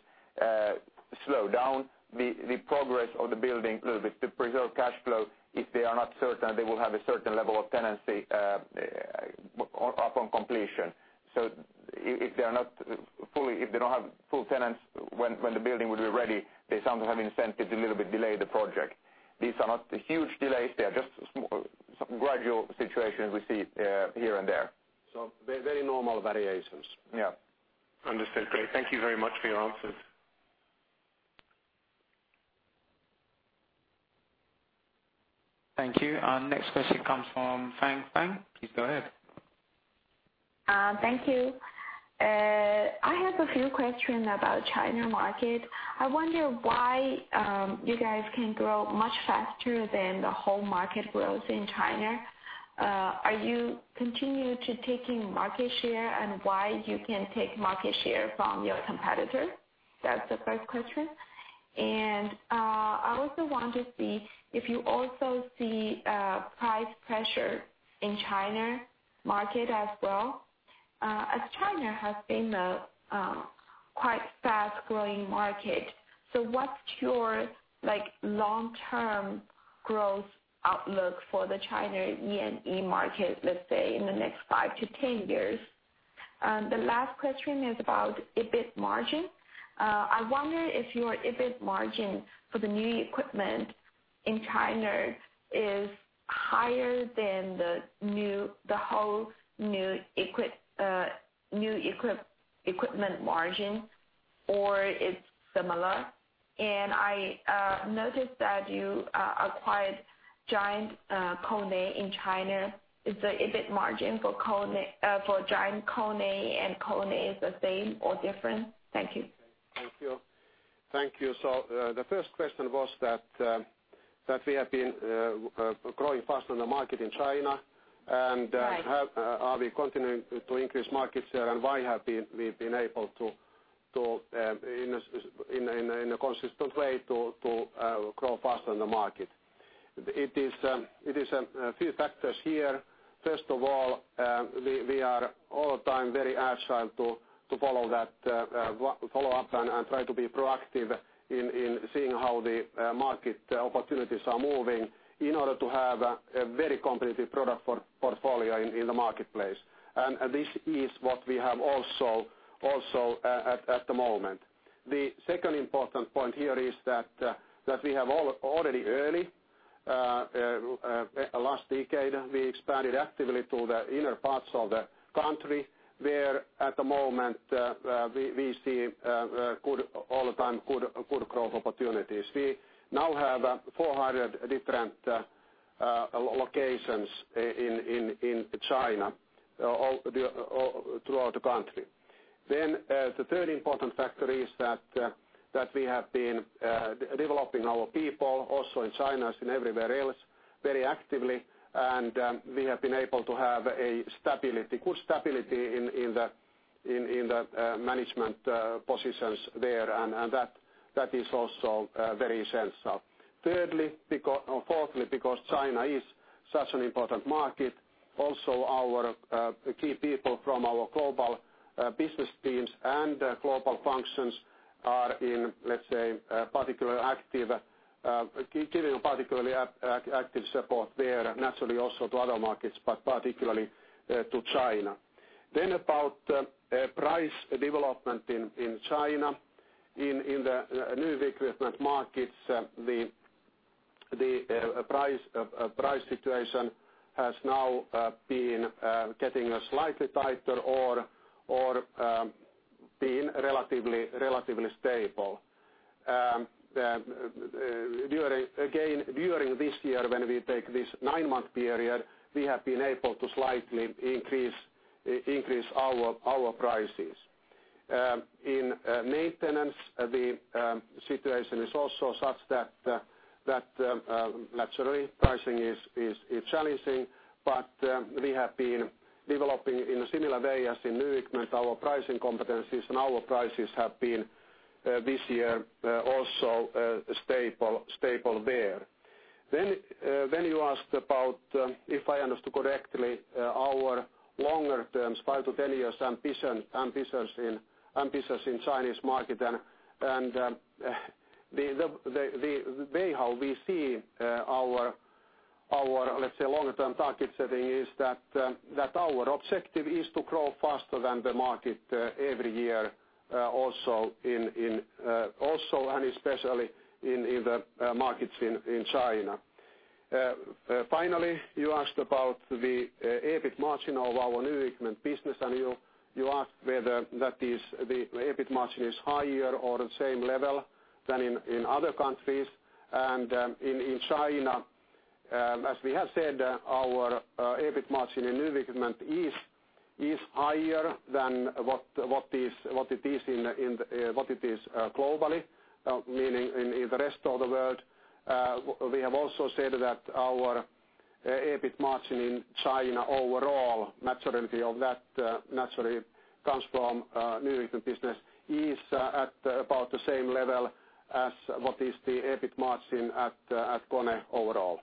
slow down the progress of the building a little bit to preserve cash flow if they are not certain they will have a certain level of tenancy upon completion. If they don't have full tenants when the building would be ready, they sometimes have incentive to little bit delay the project. These are not huge delays. They are just some gradual situations we see here and there. Very normal variations. Yeah. Understood. Great. Thank you very much for your answers. Thank you. Our next question comes from Fang Fang. Please go ahead. Thank you. I have a few questions about China market. I wonder why you guys can grow much faster than the whole market growth in China. Are you continue to taking market share, and why you can take market share from your competitor? That's the first question. I also want to see if you also see price pressure in China market as well, as China has been a quite fast-growing market. What's your long-term growth outlook for the China E&E market, let's say in the next 5 to 10 years? The last question is about EBIT margin. I wonder if your EBIT margin for the new equipment in China is higher than the whole new equipment margin, or it's similar. I noticed that you acquired Giant KONE in China. Is the EBIT margin for Giant KONE and KONE the same or different? Thank you. Thank you. The first question was that we have been growing faster in the market in China. Right Are we continuing to increase market share and why have we been able to, in a consistent way, to grow faster in the market? It is a few factors here. First of all, we are all the time very agile to follow up and try to be proactive in seeing how the market opportunities are moving in order to have a very competitive product portfolio in the marketplace. This is what we have also at the moment. The second important point here is that we have already early last decade, we expanded actively to the inner parts of the country, where at the moment we see all the time good growth opportunities. We now have 400 different locations in China throughout the country. The third important factor is that we have been developing our people also in China as in everywhere else, very actively. We have been able to have a good stability in the management positions there. That is also very essential. Thirdly, or fourthly, because China is such an important market, also the key people from our global business teams and global functions are in, let's say, giving particularly active support there naturally also to other markets, but particularly to China. About price development in China. In the new equipment markets, the price situation has now been getting slightly tighter or been relatively stable. During this year, when we take this nine-month period, we have been able to slightly increase our prices. In maintenance, the situation is also such that naturally pricing is challenging, but we have been developing in a similar way as in new equipment, our pricing competencies and our prices have been this year also stable there. You asked about, if I understood correctly, our longer term, 5 to 10 years ambitions in Chinese market and the way how we see our, let's say, longer term target setting is that our objective is to grow faster than the market every year also and especially in the markets in China. Finally, you asked about the EBIT margin of our new equipment business, and you asked whether the EBIT margin is higher or the same level than in other countries and in China. As we have said, our EBIT margin in new equipment is higher than what it is globally meaning in the rest of the world. We have also said that our EBIT margin in China overall, majority of that naturally comes from new equipment business, is at about the same level as what is the EBIT margin at KONE overall.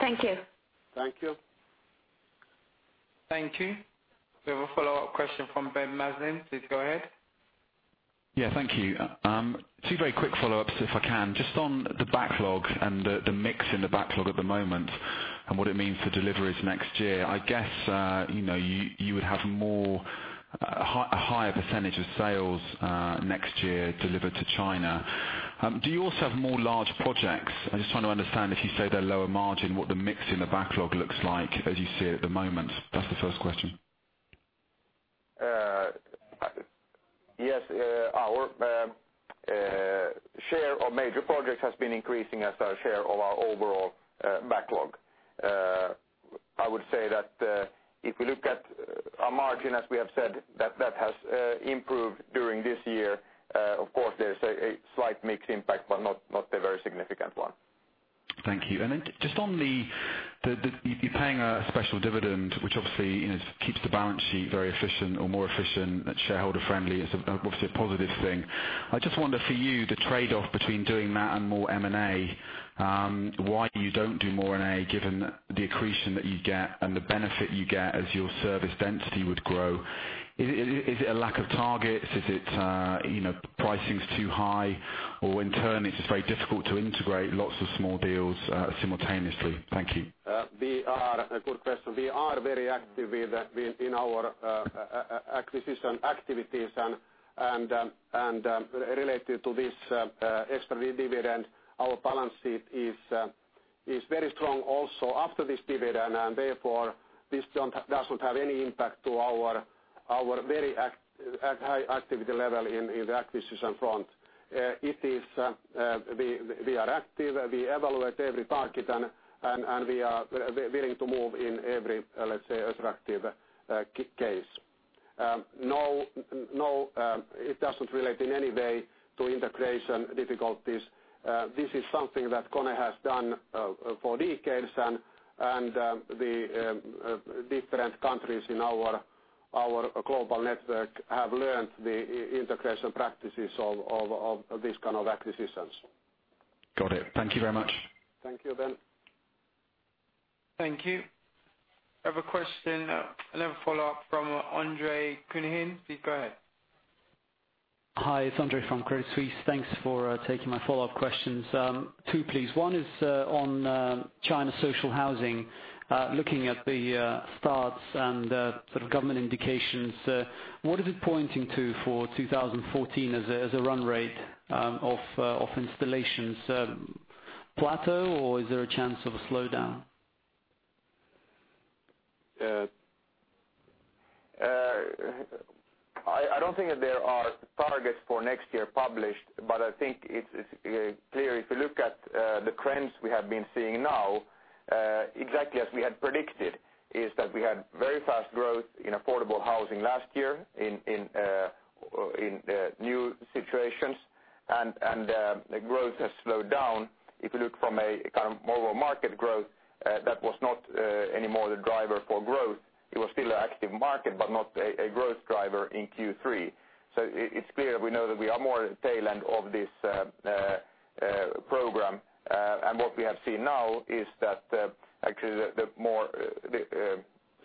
Thank you. Thank you. Thank you. We have a follow-up question from Ben Maslen. Please go ahead. Yeah, thank you. Two very quick follow-ups, if I can. Just on the backlog and the mix in the backlog at the moment and what it means for deliveries next year. I guess you would have a higher percentage of sales next year delivered to China. Do you also have more large projects? I'm just trying to understand, if you say they're lower margin, what the mix in the backlog looks like as you see it at the moment. That's the first question. Yes. Our share of major projects has been increasing as our share of our overall backlog. I would say that if we look at our margin, as we have said, that has improved during this year. Of course, there's a slight mix impact, but not a very significant one. Thank you. Just on the, you're paying a special dividend, which obviously keeps the balance sheet very efficient or more efficient and shareholder friendly is obviously a positive thing. I just wonder for you, the trade-off between doing that and more M&A, why you don't do more M&A given the accretion that you get and the benefit you get as your service density would grow. Is it a lack of targets? Is it pricing's too high or in turn it's just very difficult to integrate lots of small deals simultaneously? Thank you. Good question. We are very active in our acquisition activities and related to this extra dividend, our balance sheet is very strong also after this dividend and therefore this doesn't have any impact to our very high activity level in the acquisition front. We are active, we evaluate every target, and we are willing to move in every, let's say, attractive case. No, it doesn't relate in any way to integration difficulties. This is something that KONE has done for decades and the different countries in our global network have learned the integration practices of these kind of acquisitions. Got it. Thank you very much. Thank you, Ben. Thank you. I have a question, another follow-up from Andre Kukhnin. Please go ahead. Hi, it's Andre from Credit Suisse. Thanks for taking my follow-up questions. Two, please. One is on China social housing. Looking at the starts and sort of government indications, what is it pointing to for 2014 as a run rate of installations? Plateau, or is there a chance of a slowdown? I don't think that there are targets for next year published. I think it's clear if you look at the trends we have been seeing now, exactly as we had predicted, is that we had very fast growth in affordable housing last year in new situations. The growth has slowed down. If you look from a kind of mobile market growth, that was not anymore the driver for growth. It was still an active market, but not a growth driver in Q3. It's clear we know that we are more at the tail end of this program. What we have seen now is that actually the more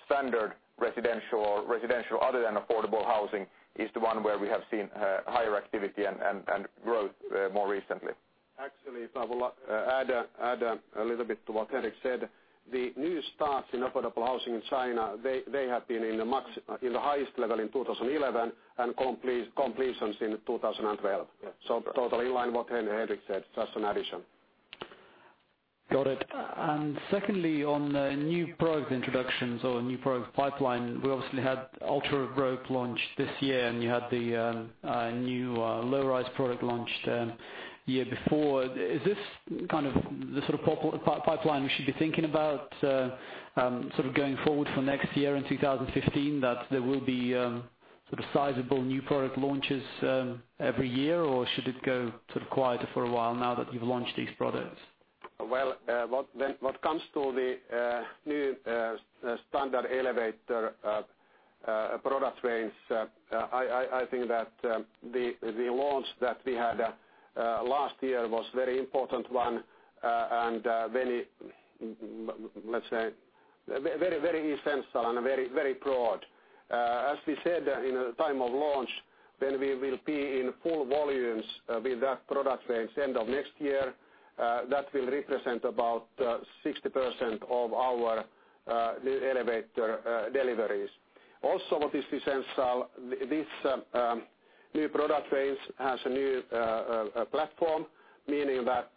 standard residential, other than affordable housing, is the one where we have seen higher activity and growth more recently. Actually, if I will add a little bit to what Henrik said. The new starts in affordable housing in China, they have been in the highest level in 2011 and completions in 2012. Yes. Totally in line what Henrik said, just an addition. Got it. Secondly, on the new product introductions or new product pipeline. We obviously had UltraRope launch this year, and you had the new low-rise product launch the year before. Is this kind of the sort of pipeline we should be thinking about sort of going forward for next year in 2015, that there will be sort of sizable new product launches every year? Or should it go sort of quiet for a while now that you've launched these products? Well, when it comes to the new standard elevator product range, I think that the launch that we had last year was a very important one and very, let's say, very essential and very broad. As we said in the time of launch, when we will be in full volumes with that product range end of next year, that will represent about 60% of our new elevator deliveries. Also what is essential, this new product range has a new platform, meaning that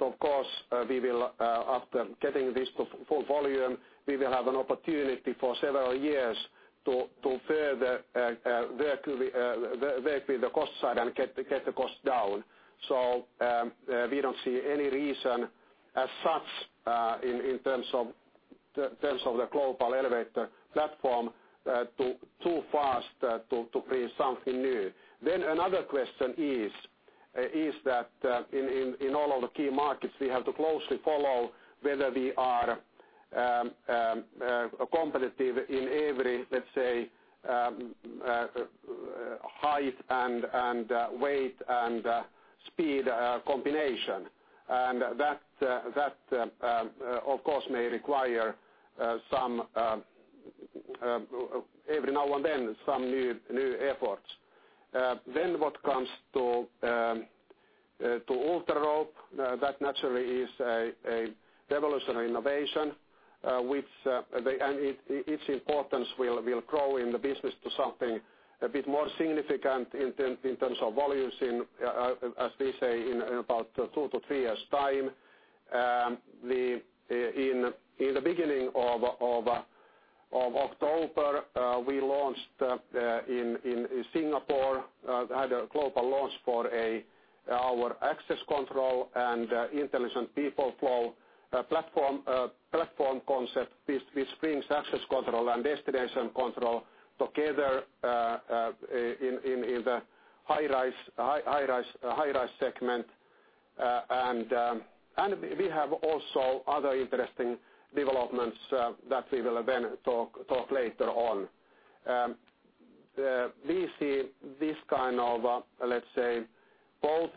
of course after getting this to full volume, we will have an opportunity for several years to further work with the cost side and get the cost down. We don't see any reason as such in terms of the global elevator platform to too fast to bring something new. Another question is that in all of the key markets, we have to closely follow whether we are competitive in every, let's say, height and weight, and speed combination. That of course may require every now and then some new efforts. What comes to UltraRope, that naturally is a revolutionary innovation and its importance will grow in the business to something a bit more significant in terms of volumes in, as we say, in about two to three years' time. In the beginning of October, we launched in Singapore, had a global launch for our access control and Intelligent People Flow platform concept, which brings access control and destination control together in the high-rise segment. We have also other interesting developments that we will then talk later on. We see this kind of, let's say, both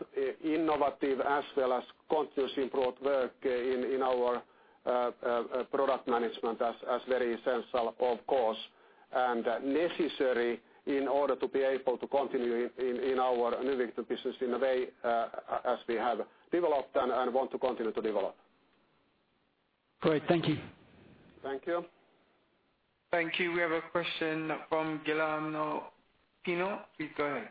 innovative as well as continuous improved work in our product management as very essential, of course, and necessary in order to be able to continue in our new equipment business in a way as we have developed and want to continue to develop. Great. Thank you. Thank you. Thank you. We have a question from Guillermo Pino. Please go ahead.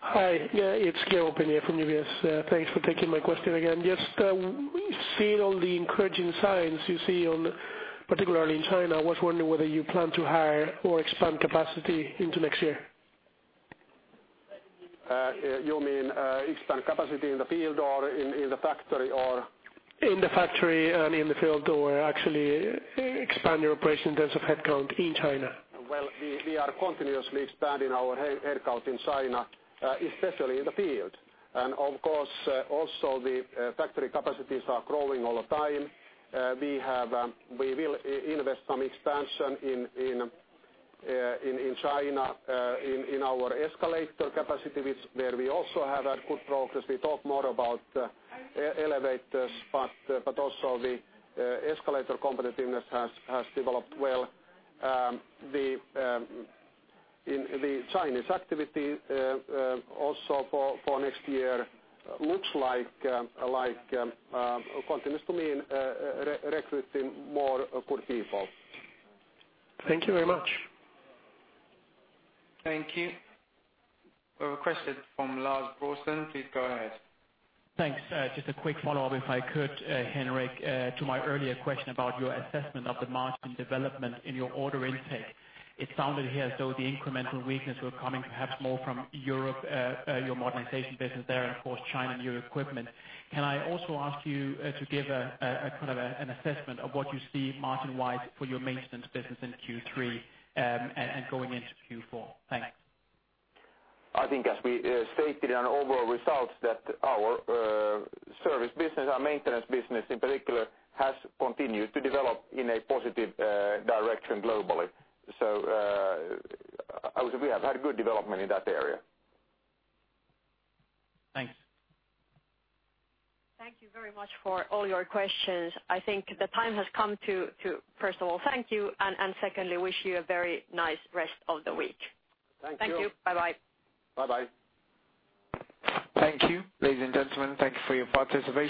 Hi. Yeah, it's Guillermo Pino from UBS. Thanks for taking my question again. Just seeing all the encouraging signs you see on, particularly in China, I was wondering whether you plan to hire or expand capacity into next year. You mean expand capacity in the field or in the factory, or? In the factory and in the field, or actually expand your operation in terms of headcount in China. Well, we are continuously expanding our headcount in China, especially in the field. Of course, also the factory capacities are growing all the time. We will invest some expansion in China in our escalator capacity, where we also have had good progress. We talk more about elevators, but also the escalator competitiveness has developed well. In the Chinese activity, also for next year, looks like continuously recruiting more good people. Thank you very much. Thank you. We have a question from Lars Brorson. Please go ahead. Thanks. Just a quick follow-up if I could, Henrik, to my earlier question about your assessment of the margin development in your order intake. It sounded here as though the incremental weakness was coming perhaps more from Europe, your Modernization business there, and of course, China, New Equipment business. Can I also ask you to give a kind of an assessment of what you see margin-wise for your Maintenance business in Q3, and going into Q4? Thanks. I think as we stated on overall results, that our Service business, our Maintenance business in particular, has continued to develop in a positive direction globally. I would say we have had good development in that area. Thanks. Thank you very much for all your questions. I think the time has come to first of all thank you, and secondly, wish you a very nice rest of the week. Thank you. Thank you. Bye-bye. Bye-bye. Thank you. Ladies and gentlemen, thank you for your participation.